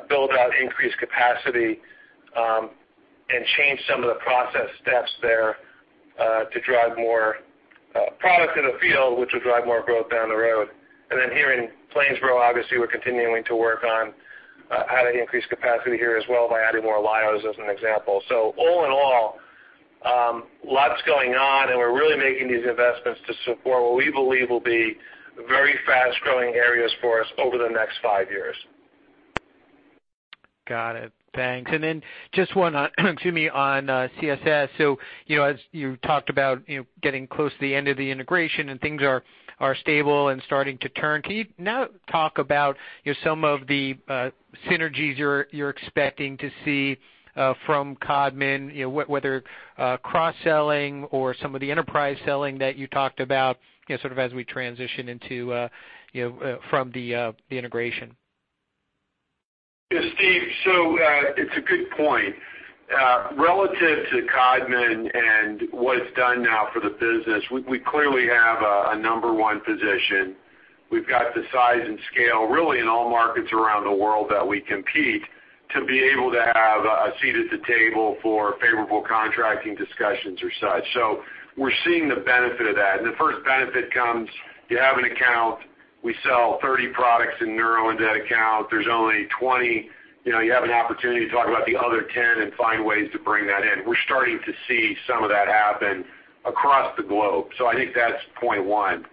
build out increased capacity and change some of the process steps there to drive more product to the field, which will drive more growth down the road. And then here in Plainsboro, obviously, we're continuing to work on how to increase capacity here as well by adding more lyos yos as an example. So all in all, lots going on, and we're really making these investments to support what we believe will be very fast-growing areas for us over the next five years. Got it. Thanks. And then just one on, excuse me, on CSS. So as you talked about getting close to the end of the integration and things are stable and starting to turn, can you now talk about some of the synergies you're expecting to see from Codman, whether cross-selling or some of the enterprise selling that you talked about sort of as we transition into from the integration? Yeah, Steve, so it's a good point. Relative to Codman and what it's done now for the business, we clearly have a number one position. We've got the size and scale really in all markets around the world that we compete to be able to have a seat at the table for favorable contracting discussions or such. So we're seeing the benefit of that. And the first benefit comes you have an account, we sell 30 products in neuro in that account, there's only 20, you have an opportunity to talk about the other 10 and find ways to bring that in. We're starting to see some of that happen across the globe. So I think that's point one.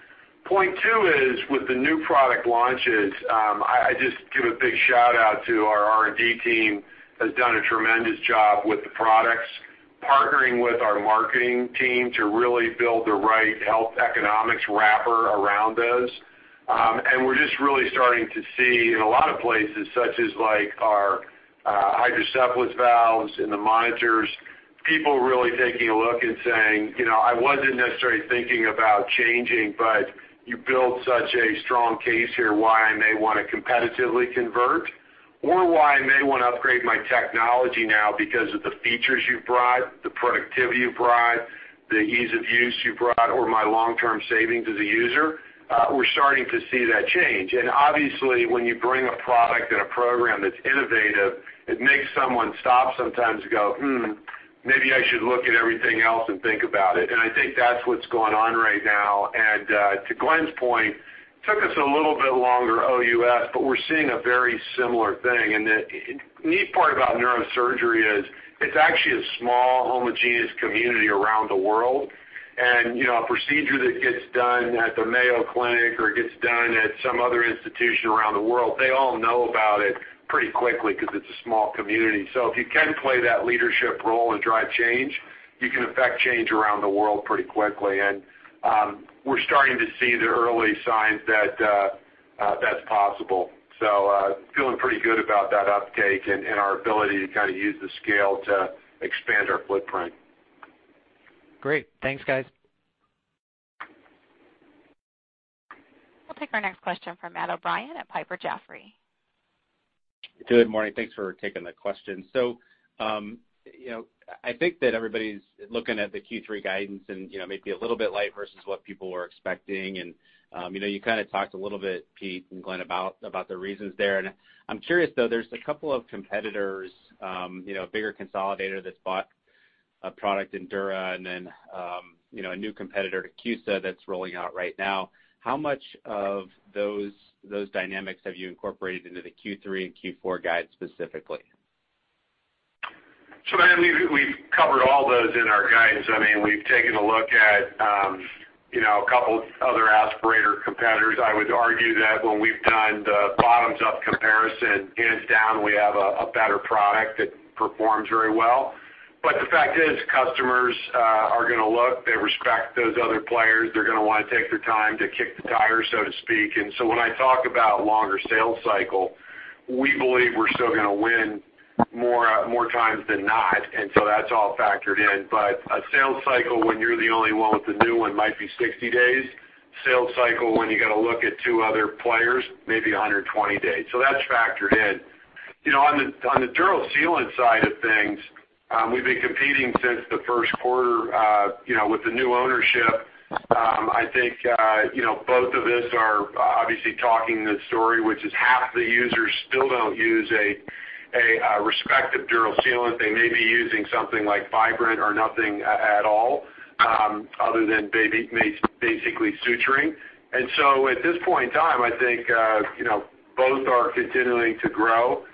Point two is with the new product launches. I just give a big shout-out to our R&D team that has done a tremendous job with the products, partnering with our marketing team to really build the right health economics wrapper around those. And we're just really starting to see in a lot of places such as our hydrocephalus valves and the monitors, people really taking a look and saying, "I wasn't necessarily thinking about changing, but you build such a strong case here why I may want to competitively convert or why I may want to upgrade my technology now because of the features you've brought, the productivity you've brought, the ease of use you've brought, or my long-term savings as a user." We're starting to see that change. And obviously, when you bring a product and a program that's innovative, it makes someone stop sometimes and go, "maybe I should look at everything else and think about it." And I think that's what's going on right now. And to Glenn's point, it took us a little bit longer OUS, but we're seeing a very similar thing. And the neat part about neurosurgery is it's actually a small homogeneous community around the world. And a procedure that gets done at the Mayo Clinic or gets done at some other institution around the world; they all know about it pretty quickly because it's a small community. So, if you can play that leadership role and drive change, you can affect change around the world pretty quickly. And we're starting to see the early signs that that's possible. So feeling pretty good about that uptake and our ability to kind of use the scale to expand our footprint. Great. Thanks, guys. We'll take our next question from Matt O'Brien at Piper Jaffray. Good morning. Thanks for taking the question. So I think that everybody's looking at the Q3 guidance and maybe a little bit light versus what people were expecting. And you kind of talked a little bit, Pete and Glenn, about the reasons there. And I'm curious, though, there's a couple of competitors, a bigger consolidator that's bought a product in dura, and then a new competitor to CUSA that's rolling out right now. How much of those dynamics have you incorporated into the Q3 and Q4 guides specifically? So I mean, we've covered all those in our guides. I mean, we've taken a look at a couple of other aspirator competitors. I would argue that when we've done the bottoms-up comparison, hands down, we have a better product that performs very well. But the fact is customers are going to look. They respect those other players. They're going to want to take their time to kick the tires, so to speak. And so when I talk about longer sales cycle, we believe we're still going to win more times than not. And so that's all factored in. But a sales cycle when you're the only one with the new one might be 60 days. Sales cycle when you got to look at two other players, maybe 120 days. So that's factored in. On the dural sealant side of things, we've been competing since the Q1 with the new ownership. I think both of us are obviously talking the story, which is half the users still don't use a respective dural sealant. They may be using something like fibrin or nothing at all other than basically suturing. And so at this point in time, I think both are continuing to grow.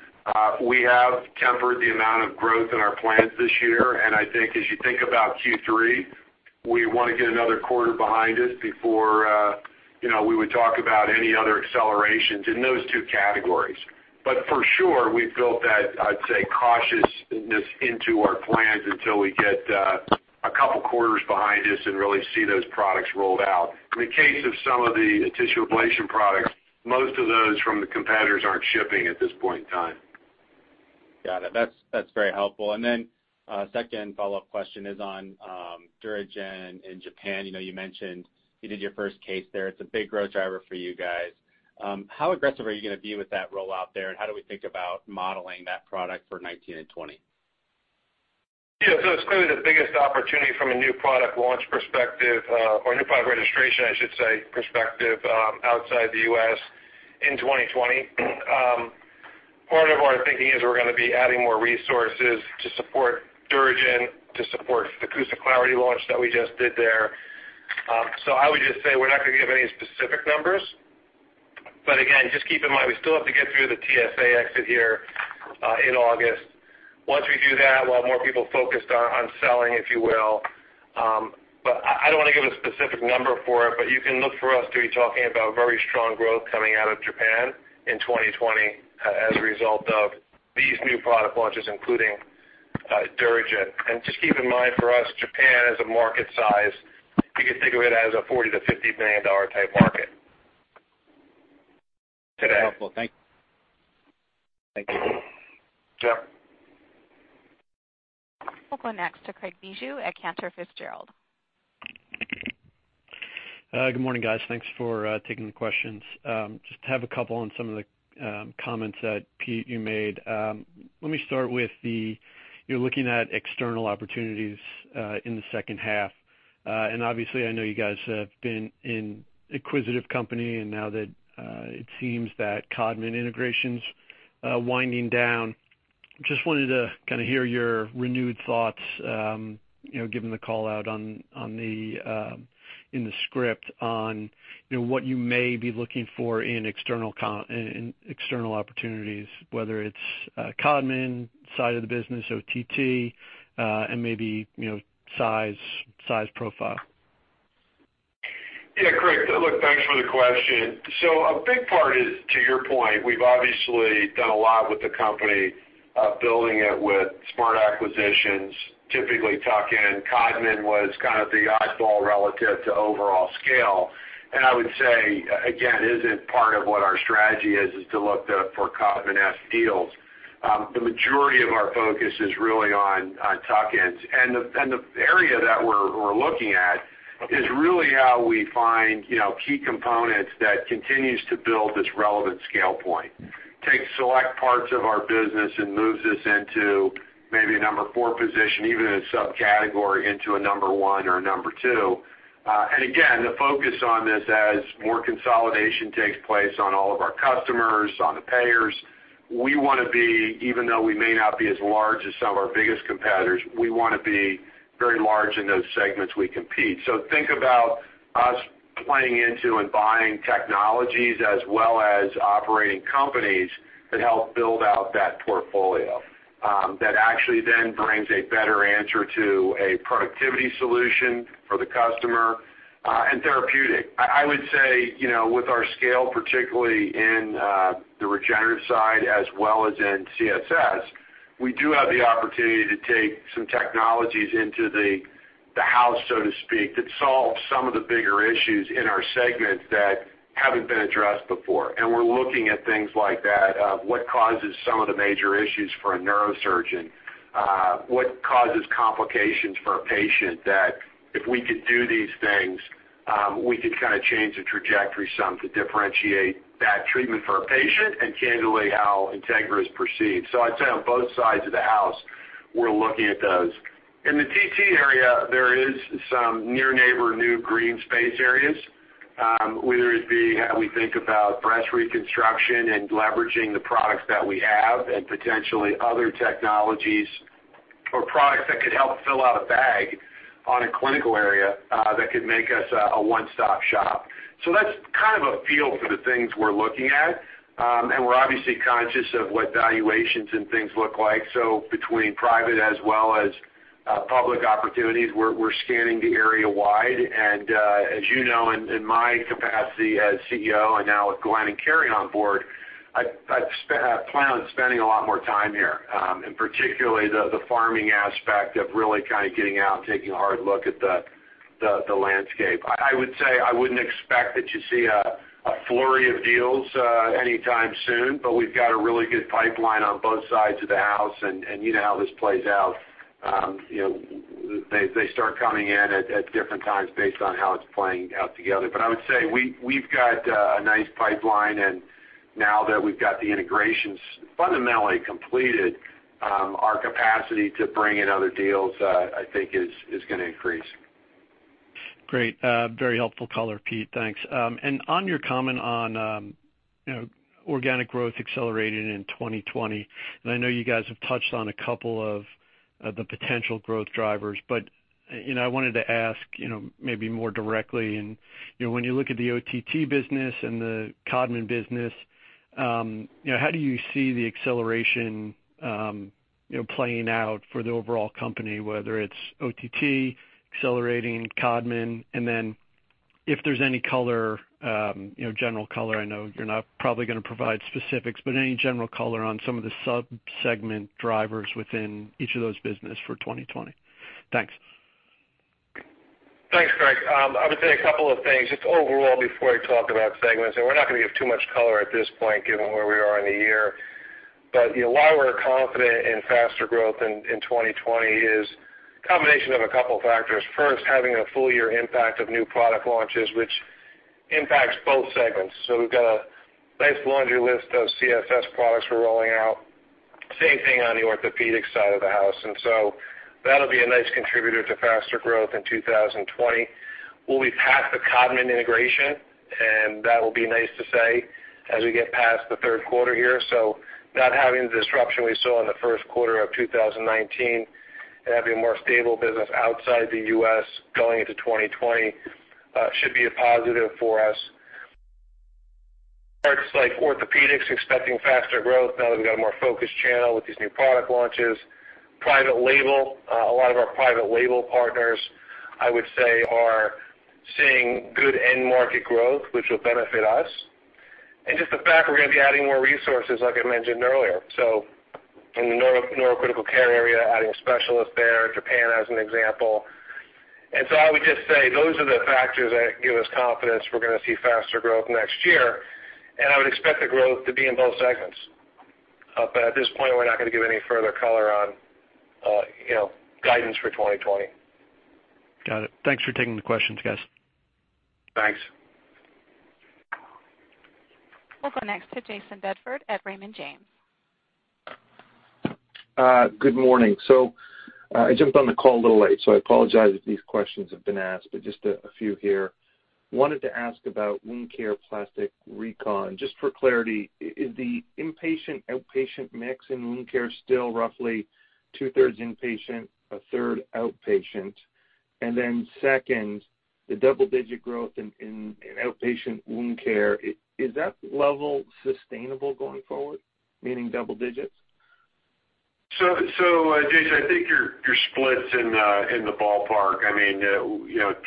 We have tempered the amount of growth in our plans this year. And I think as you think about Q3, we want to get another quarter behind us before we would talk about any other accelerations in those two categories. But for sure, we've built that, I'd say, cautiousness into our plans until we get a couple of quarters behind us and really see those products rolled out. In the case of some of the tissue ablation products, most of those from the competitors aren't shipping at this point in time. Got it. That's very helpful. And then second follow-up question is on DuraGen in Japan. You mentioned you did your first case there. It's a big growth driver for you guys. How aggressive are you going to be with that rollout there, and how do we think about modeling that product for 2019 and 2020? Yeah. So it's clearly the biggest opportunity from a new product launch perspective or new product registration, I should say, perspective outside the U.S. in 2020. Part of our thinking is we're going to be adding more resources to support DuraGen, to support the CUSA Clarity launch that we just did there. So I would just say we're not going to give any specific numbers. But again, just keep in mind, we still have to get through the TSA exit here in August. Once we do that, we'll have more people focused on selling, if you will. But I don't want to give a specific number for it, but you can look for us to be talking about very strong growth coming out of Japan in 2020 as a result of these new product launches, including DuraGen. Just keep in mind for us, Japan as a market size, you could think of it as a $40 million-$50 million type market today. Helpful. Thank you. Yep. We'll go next to Craig Bijou at Cantor Fitzgerald. Good morning, guys. Thanks for taking the questions. I just have a couple on some of the comments that Pete, you made. Let me start with the fact you're looking at external opportunities in the second half. And obviously, I know you guys have been an acquisitive company, and now that it seems that Codman integration's winding down, just wanted to kind of hear your renewed thoughts given the call out in the script on what you may be looking for in external opportunities, whether it's Codman side of the business, OTT, and maybe size profile. Yeah, Craig, look, thanks for the question. So a big part is, to your point, we've obviously done a lot with the company, building it with smart acquisitions, typically Codman was kind of the oddball relative to overall scale. And I would say, again, isn't part of what our strategy is, is to look for Codman-esque deals. The majority of our focus is really on tuck-ins. And the area that we're looking at is really how we find key components that continues to build this relevant scale point, takes select parts of our business and moves us into maybe a number four position, even a subcategory into a number one or a number two. Again, the focus on this as more consolidation takes place on all of our customers, on the payers, we want to be, even though we may not be as large as some of our biggest competitors, we want to be very large in those segments we compete. So, think about us playing into and buying technologies as well as operating companies that help build out that portfolio that actually then brings a better answer to a productivity solution for the customer and therapeutic. I would say with our scale, particularly in the regenerative side as well as in CSS, we do have the opportunity to take some technologies into the house, so to speak, that solve some of the bigger issues in our segments that haven't been addressed before. And we're looking at things like that of what causes some of the major issues for a neurosurgeon, what causes complications for a patient that if we could do these things, we could kind of change the trajectory some to differentiate that treatment for a patient and candidly how Integra is perceived. So I'd say on both sides of the house, we're looking at those. In the TT area, there is some near neighbor new green space areas, whether it be how we think about breast reconstruction and leveraging the products that we have and potentially other technologies or products that could help fill out a bag on a clinical area that could make us a one-stop shop. So that's kind of a feel for the things we're looking at. And we're obviously conscious of what valuations and things look like. So between private as well as public opportunities, we're scanning the area wide. And as you know, in my capacity as CEO and now with Glenn and Carrie on board, I plan on spending a lot more time here, and particularly the farming aspect of really kind of getting out and taking a hard look at the landscape. I would say I wouldn't expect that you see a flurry of deals anytime soon, but we've got a really good pipeline on both sides of the house. And you know how this plays out. They start coming in at different times based on how it's playing out together. But I would say we've got a nice pipeline. And now that we've got the integrations fundamentally completed, our capacity to bring in other deals, I think, is going to increase. Great. Very helpful color, Pete. Thanks. And on your comment on organic growth accelerated in 2020, and I know you guys have touched on a couple of the potential growth drivers, but I wanted to ask maybe more directly. And when you look at the OTT business and the Codman business, how do you see the acceleration playing out for the overall company, whether it's OTT accelerating, Codman, and then if there's any color, general color, I know you're not probably going to provide specifics, but any general color on some of the subsegment drivers within each of those businesses for 2020? Thanks. Thanks, Craig. I would say a couple of things just overall before I talk about segments, and we're not going to give too much color at this point given where we are in the year, but why we're confident in faster growth in 2020 is a combination of a couple of factors. First, having a full year impact of new product launches, which impacts both segments, so we've got a nice laundry list of CSS products we're rolling out. Same thing on the orthopedic side of the house, and so that'll be a nice contributor to faster growth in 2020. We'll be past the Codman integration, and that will be nice to say as we get past the Q3 here. So not having the disruption we saw in the Q1 of 2019 and having a more stable business outside the U.S. going into 2020 should be a positive for us. Parts like orthopedics expecting faster growth now that we've got a more focused channel with these new product launches. Private label, a lot of our Private Label partners, I would say, are seeing good end market growth, which will benefit us. And just the fact we're going to be adding more resources, like I mentioned earlier. So in the neurocritical care area, adding specialists there, Japan as an example. And so I would just say those are the factors that give us confidence we're going to see faster growth next year. And I would expect the growth to be in both segments. But at this point, we're not going to give any further color on guidance for 2020. Got it. Thanks for taking the questions, guys. Thanks. We'll go next to Jayson Bedford at Raymond James. Good morning. So I jumped on the call a little late, so I apologize if these questions have been asked, but just a few here. Wanted to ask about Wound Care plastic recon. Just for clarity, is the inpatient/outpatient mix in Wound Care still roughly two-thirds inpatient, a third outpatient? And then second, the double-digit growth in Outpatient Wound Care, is that level sustainable going forward, meaning double digits? So Jayson, I think you're split in the ballpark. I mean,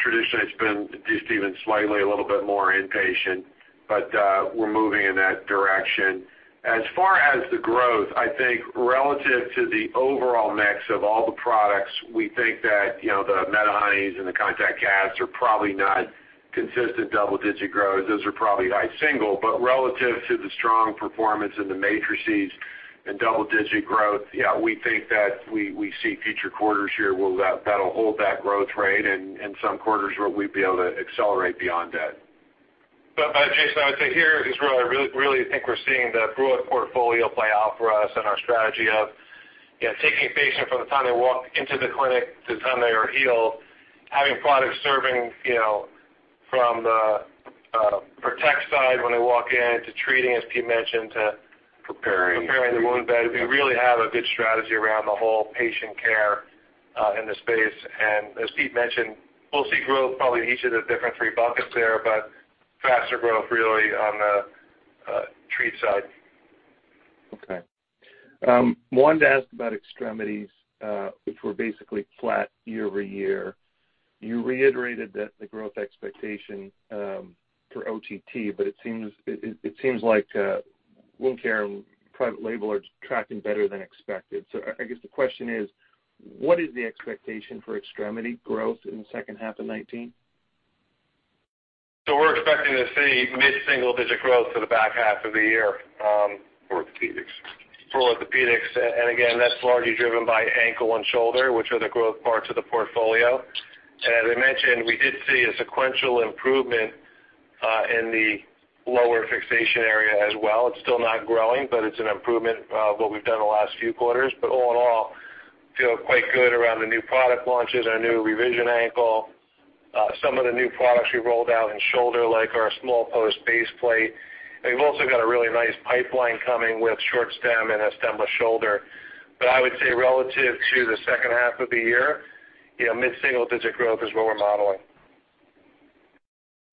traditionally, it's been just even slightly a little bit more inpatient, but we're moving in that direction. As far as the growth, I think relative to the overall mix of all the products, we think that the MediHoneys and the contact casts are probably not consistent double-digit growth. Those are probably high single. But relative to the strong performance in the matrices and double-digit growth, yeah, we think that we see future quarters here that'll hold that growth rate in some quarters where we'd be able to accelerate beyond that. But Jayson, I would say here is where I really think we're seeing the growth portfolio play out for us and our strategy of taking patients from the time they walk into the clinic to the time they are healed, having products serving from the protect side when they walk in to treating, as Pete mentioned, to. Preparing. Preparing the wound bed. We really have a good strategy around the whole patient care in the space. And as Pete mentioned, we'll see growth probably in each of the different three buckets there, but faster growth really on the treat side. Okay. Wanted to ask about extremities, which were basically flat year over year. You reiterated that the growth expectation for OTT, but it seems like Wound Care and Private Label are tracking better than expected. So I guess the question is, what is the expectation for extremity growth in the second half of 2019? So we're expecting to see mid-single digit growth for the back half of the year. For orthopedics. For orthopedics. And again, that's largely driven by ankle and shoulder, which are the growth parts of the portfolio. And as I mentioned, we did see a sequential improvement in the lower fixation area as well. It's still not growing, but it's an improvement of what we've done the last few quarters. But all in all, feel quite good around the new product launches and our new revision ankle. Some of the new products we've rolled out in shoulder, like our small post baseplate. And we've also got a really nice pipeline coming with short stem and a stemless shoulder. But I would say relative to the second half of the year, mid-single digit growth is what we're modeling.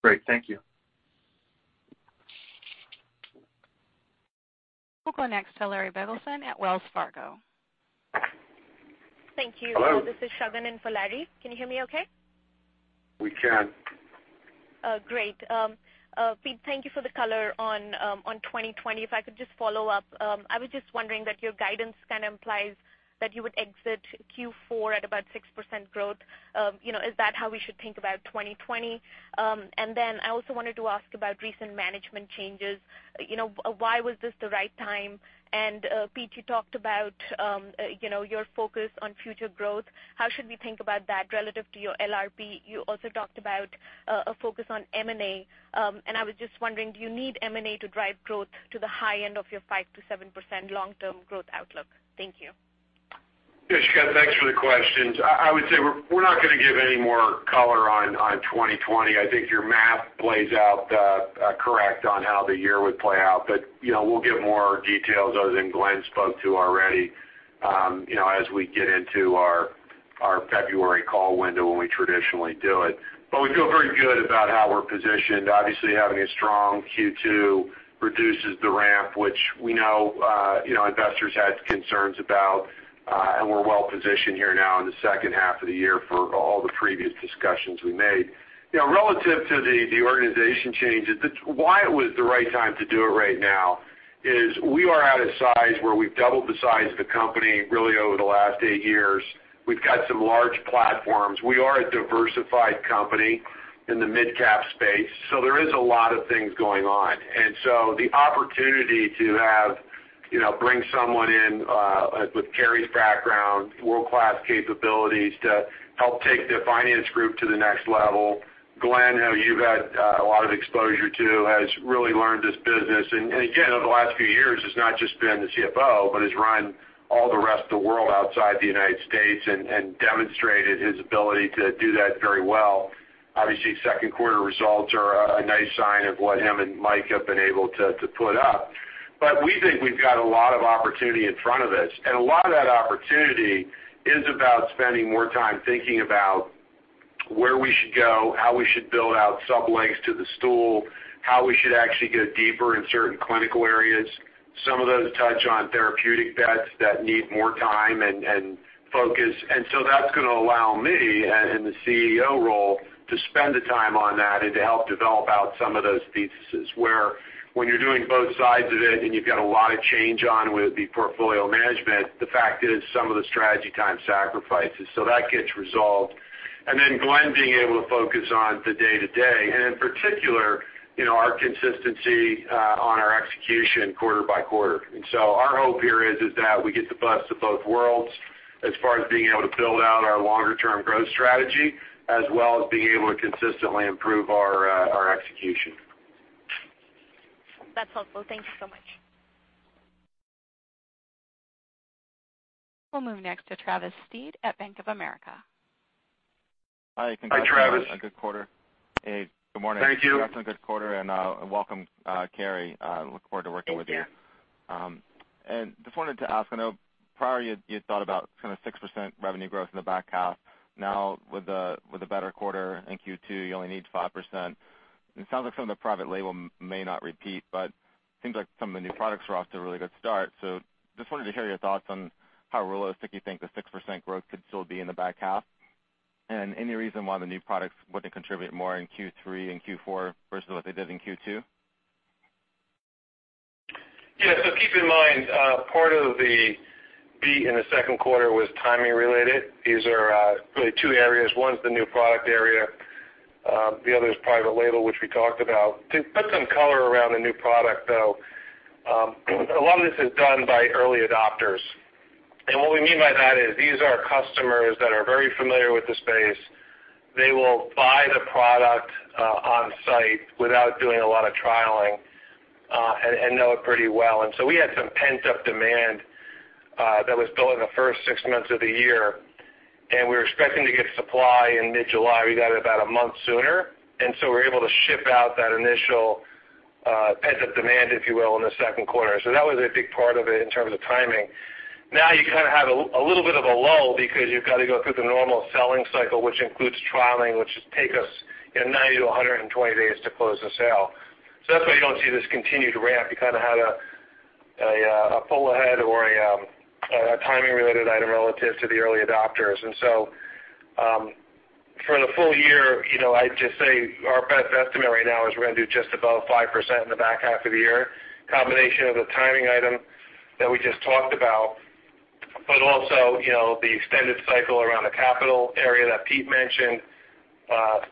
Great. Thank you. We'll go next to Larry Biegelsen at Wells Fargo. Thank you. Hello. This is. [inaudible] Can you hear me okay? We can. Great. Pete, thank you for the color on 2020. If I could just follow up, I was just wondering that your guidance kind of implies that you would exit Q4 at about 6% growth. Is that how we should think about 2020? And then I also wanted to ask about recent management changes. Why was this the right time? And Pete, you talked about your focus on future growth. How should we think about that relative to your LRP? You also talked about a focus on M&A. And I was just wondering, do you need M&A to drive growth to the high end of your 5%-7% long-term growth outlook? Thank you. Yes, thanks for the questions. I would say we're not going to give any more color on 2020. I think your math plays out correct on how the year would play out. But we'll give more details other than Glenn spoke to already as we get into our February call window when we traditionally do it. But we feel very good about how we're positioned. Obviously, having a strong Q2 reduces the ramp, which we know investors had concerns about. And we're well positioned here now in the second half of the year for all the previous discussions we made. Relative to the organization changes, why it was the right time to do it right now is we are at a size where we've doubled the size of the company really over the last eight years. We've got some large platforms. We are a diversified company in the mid-cap space. So there is a lot of things going on. And so the opportunity to bring someone in with Carrie's background, world-class capabilities to help take the finance group to the next level. Glenn, who you've had a lot of exposure to, has really learned this business. And again, over the last few years, it's not just been the CFO, but has run all the rest of the world outside the United States and demonstrated his ability to do that very well. Obviously, Q2 results are a nice sign of what him and Mike have been able to put up. But we think we've got a lot of opportunity in front of us. And a lot of that opportunity is about spending more time thinking about where we should go, how we should build out some legs to the stool, how we should actually go deeper in certain clinical areas. Some of those touch on therapeutic bets that need more time and focus. And so that's going to allow me in the CEO role to spend the time on that and to help develop out some of those theses where when you're doing both sides of it and you've got a lot of change going on with the portfolio management, the fact is some of the strategy time sacrifices. So that gets resolved. And then Glenn being able to focus on the day-to-day. And in particular, our consistency on our execution quarter by quarter. And so our hope here is that we get the best of both worlds as far as being able to build out our longer-term growth strategy as well as being able to consistently improve our execution. That's helpful. Thank you so much. We'll move next to Travis Steed at Bank of America. Hi. Hi, Travis. Good quarter. Hey. Good morning. Thank you. Congrats on good quarter, and welcome, Carrie. Look forward to working with you. Thank you. Just wanted to ask, I know prior you thought about kind of 6% revenue growth in the back half. Now, with a better quarter in Q2, you only need 5%. It sounds like some of the Private Label may not repeat, but it seems like some of the new products are off to a really good start. Just wanted to hear your thoughts on how realistic you think the 6% growth could still be in the back half. Any reason why the new products wouldn't contribute more in Q3 and Q4 versus what they did in Q2? Yeah. So keep in mind part of the beat in the Q2 was timing related. These are really two areas. One is the new product area. The other is Private Label, which we talked about. To put some color around the new product, though, a lot of this is done by early adopters. And what we mean by that is these are customers that are very familiar with the space. They will buy the product on site without doing a lot of trialing and know it pretty well. And so we had some pent-up demand that was built in the first six months of the year. And we were expecting to get supply in mid-July. We got it about a month sooner. And so we're able to ship out that initial pent-up demand, if you will, in the Q2. So that was a big part of it in terms of timing. Now you kind of have a little bit of a lull because you've got to go through the normal selling cycle, which includes trialing, which takes us 90-120 days to close the sale. So that's why you don't see this continued ramp. You kind of had a pull ahead or a timing-related item relative to the early adopters. And so for the full year, I'd just say our best estimate right now is we're going to do just above 5% in the back half of the year, combination of the timing item that we just talked about, but also the extended cycle around the capital area that Pete mentioned,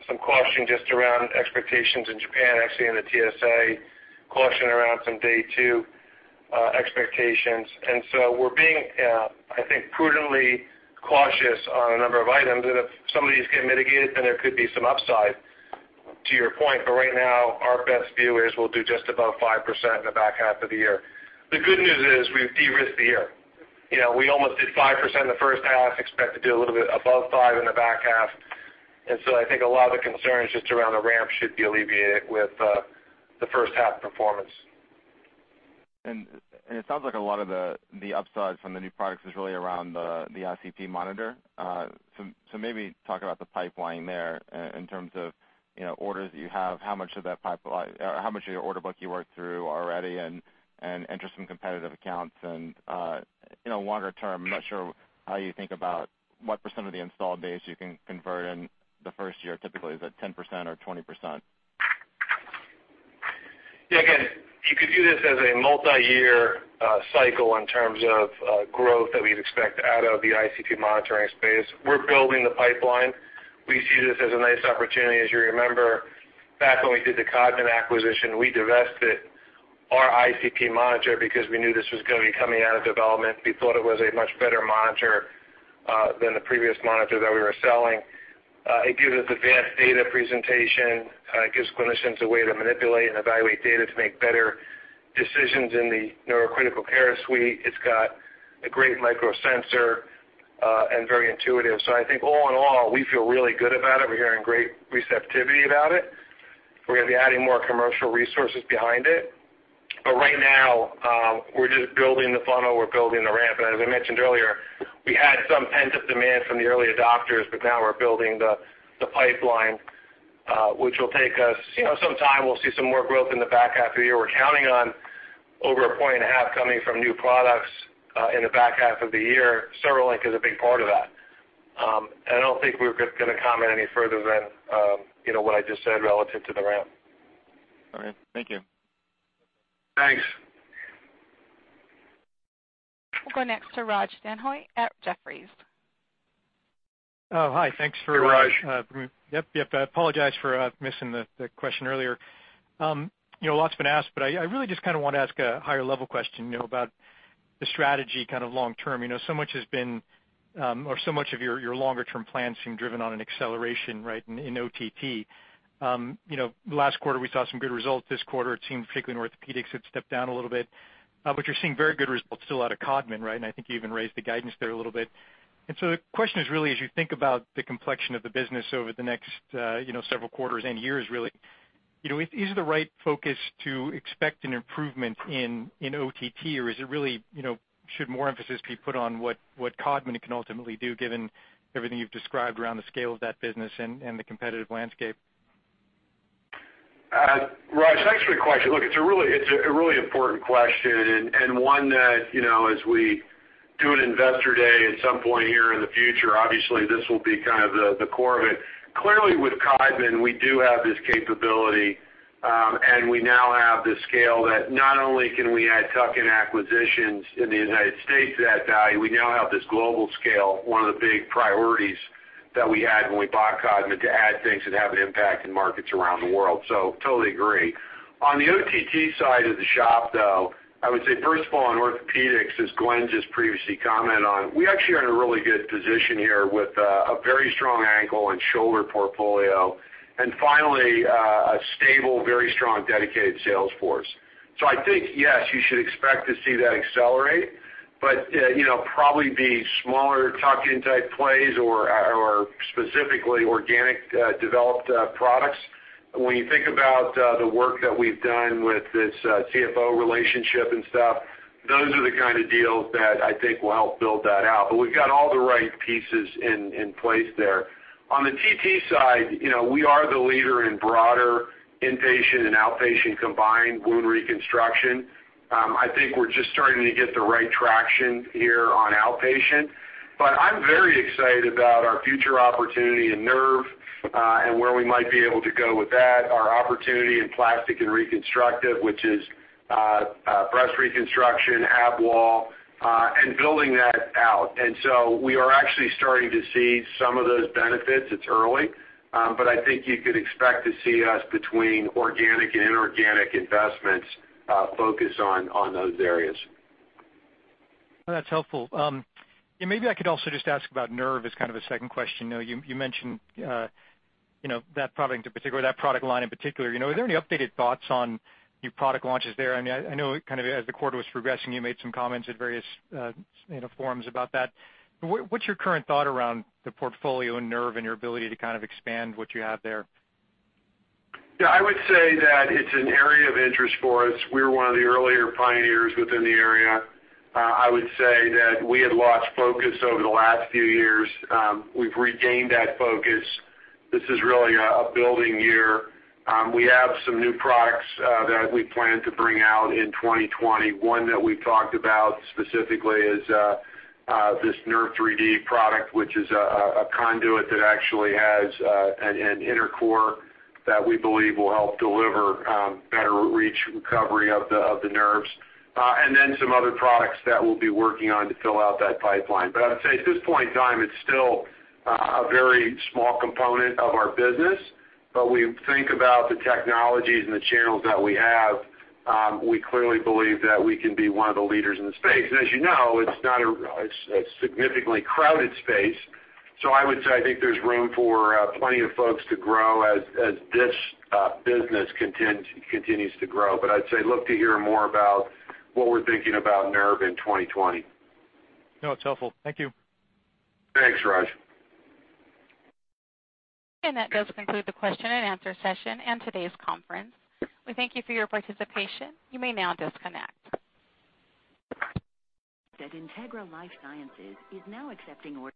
some caution just around expectations in Japan, actually in the TSA, caution around some day-two expectations. And so we're being, I think, prudently cautious on a number of items. And if some of these get mitigated, then there could be some upside, to your point. But right now, our best view is we'll do just above 5% in the back half of the year. The good news is we've de-risked the year. We almost did 5% in the first half, expect to do a little bit above 5% in the back half. And so I think a lot of the concerns just around the ramp should be alleviated with the first-half performance. It sounds like a lot of the upside from the new products is really around the ICP monitor. Maybe talk about the pipeline there in terms of orders that you have, how much of that pipeline, how much of your order book you work through already, and enter some competitive accounts. In a longer term, I'm not sure how you think about what percent of the installed days you can convert in the first year. Typically, is that 10% or 20%? Yeah. Again, you could view this as a multi-year cycle in terms of growth that we'd expect out of the ICP monitoring space. We're building the pipeline. We see this as a nice opportunity. As you remember, back when we did the Codman acquisition, we divested our ICP monitor because we knew this was going to be coming out of development. We thought it was a much better monitor than the previous monitor that we were selling. It gives us advanced data presentation. It gives clinicians a way to manipulate and evaluate data to make better decisions in the neurocritical care suite. It's got a great microsensor and very intuitive. So I think all in all, we feel really good about it. We're hearing great receptivity about it. We're going to be adding more commercial resources behind it. But right now, we're just building the funnel. We're building the ramp. As I mentioned earlier, we had some pent-up demand from the early adopters, but now we're building the pipeline, which will take us some time. We'll see some more growth in the back half of the year. We're counting on over a point and a half coming from new products in the back half of the year. CereLink is a big part of that. I don't think we're going to comment any further than what I just said relative to the ramp. All right. Thank you. Thanks. We'll go next to Raj Denhoy at Jefferies. Oh, hi. Thanks for. To Raj. Yep. Yep. I apologize for missing the question earlier. Lots been asked, but I really just kind of want to ask a higher-level question about the strategy kind of long-term. So much has been or so much of your longer-term plans seem driven on an acceleration, right, in OTT. Last quarter, we saw some good results. This quarter, it seemed particularly in orthopedics had stepped down a little bit. But you're seeing very good results still out of Codman, right? And I think you even raised the guidance there a little bit. And so the question is really, as you think about the complexion of the business over the next several quarters and years, really, is it the right focus to expect an improvement in OTT, or is it really should more emphasis be put on what Codman can ultimately do, given everything you've described around the scale of that business and the competitive landscape? Raj, thanks for the question. Look, it's a really important question and one that, as we do an investor day at some point here in the future, obviously, this will be kind of the core of it. Clearly, with Codman, we do have this capability. And we now have the scale that not only can we add tuck-in acquisitions in the United States to that value, we now have this global scale, one of the big priorities that we had when we bought Codman to add things that have an impact in markets around the world. So totally agree. On the OTT side of the shop, though, I would say, first of all, in orthopedics, as Glenn just previously commented on, we actually are in a really good position here with a very strong ankle and shoulder portfolio. And finally, a stable, very strong dedicated sales force. So, I think, yes, you should expect to see that accelerate, but probably be smaller tuck-in type plays or specifically organic developed products. When you think about the work that we've done with this CFO relationship and stuff, those are the kind of deals that I think will help build that out. But we've got all the right pieces in place there. On the TT side, we are the leader in broader inpatient and outpatient combined Wound Reconstruction. I think we're just starting to get the right traction here on outpatient. But I'm very excited about our future opportunity in nerve and where we might be able to go with that, our opportunity in plastic and reconstructive, which is breast reconstruction, ab wall, and building that out. And so we are actually starting to see some of those benefits. It's early. But I think you could expect to see us between organic and inorganic investments focus on those areas. That's helpful. Yeah. Maybe I could also just ask about nerve as kind of a second question. You mentioned that product in particular, that product line in particular. Are there any updated thoughts on new product launches there? I mean, I know kind of as the quarter was progressing, you made some comments at various forums about that. What's your current thought around the portfolio and nerve and your ability to kind of expand what you have there? Yeah. I would say that it's an area of interest for us. We were one of the earlier pioneers within the area. I would say that we had lost focus over the last few years. We've regained that focus. This is really a building year. We have some new products that we plan to bring out in 2020. One that we've talked about specifically is this NeuraGen 3D product, which is a conduit that actually has an inner core that we believe will help deliver better nerve recovery of the nerves. And then some other products that we'll be working on to fill out that pipeline. But I would say at this point in time, it's still a very small component of our business. But when you think about the technologies and the channels that we have, we clearly believe that we can be one of the leaders in the space. And as you know, it's not a significantly crowded space. So I would say I think there's room for plenty of folks to grow as this business continues to grow. But I'd say look to hear more about what we're thinking about nerve in 2020. No, it's helpful. Thank you. Thanks, Raj. And that does conclude the question and answer session and today's conference. We thank you for your participation. You may now disconnect. The Integra LifeSciences is now accepting orders.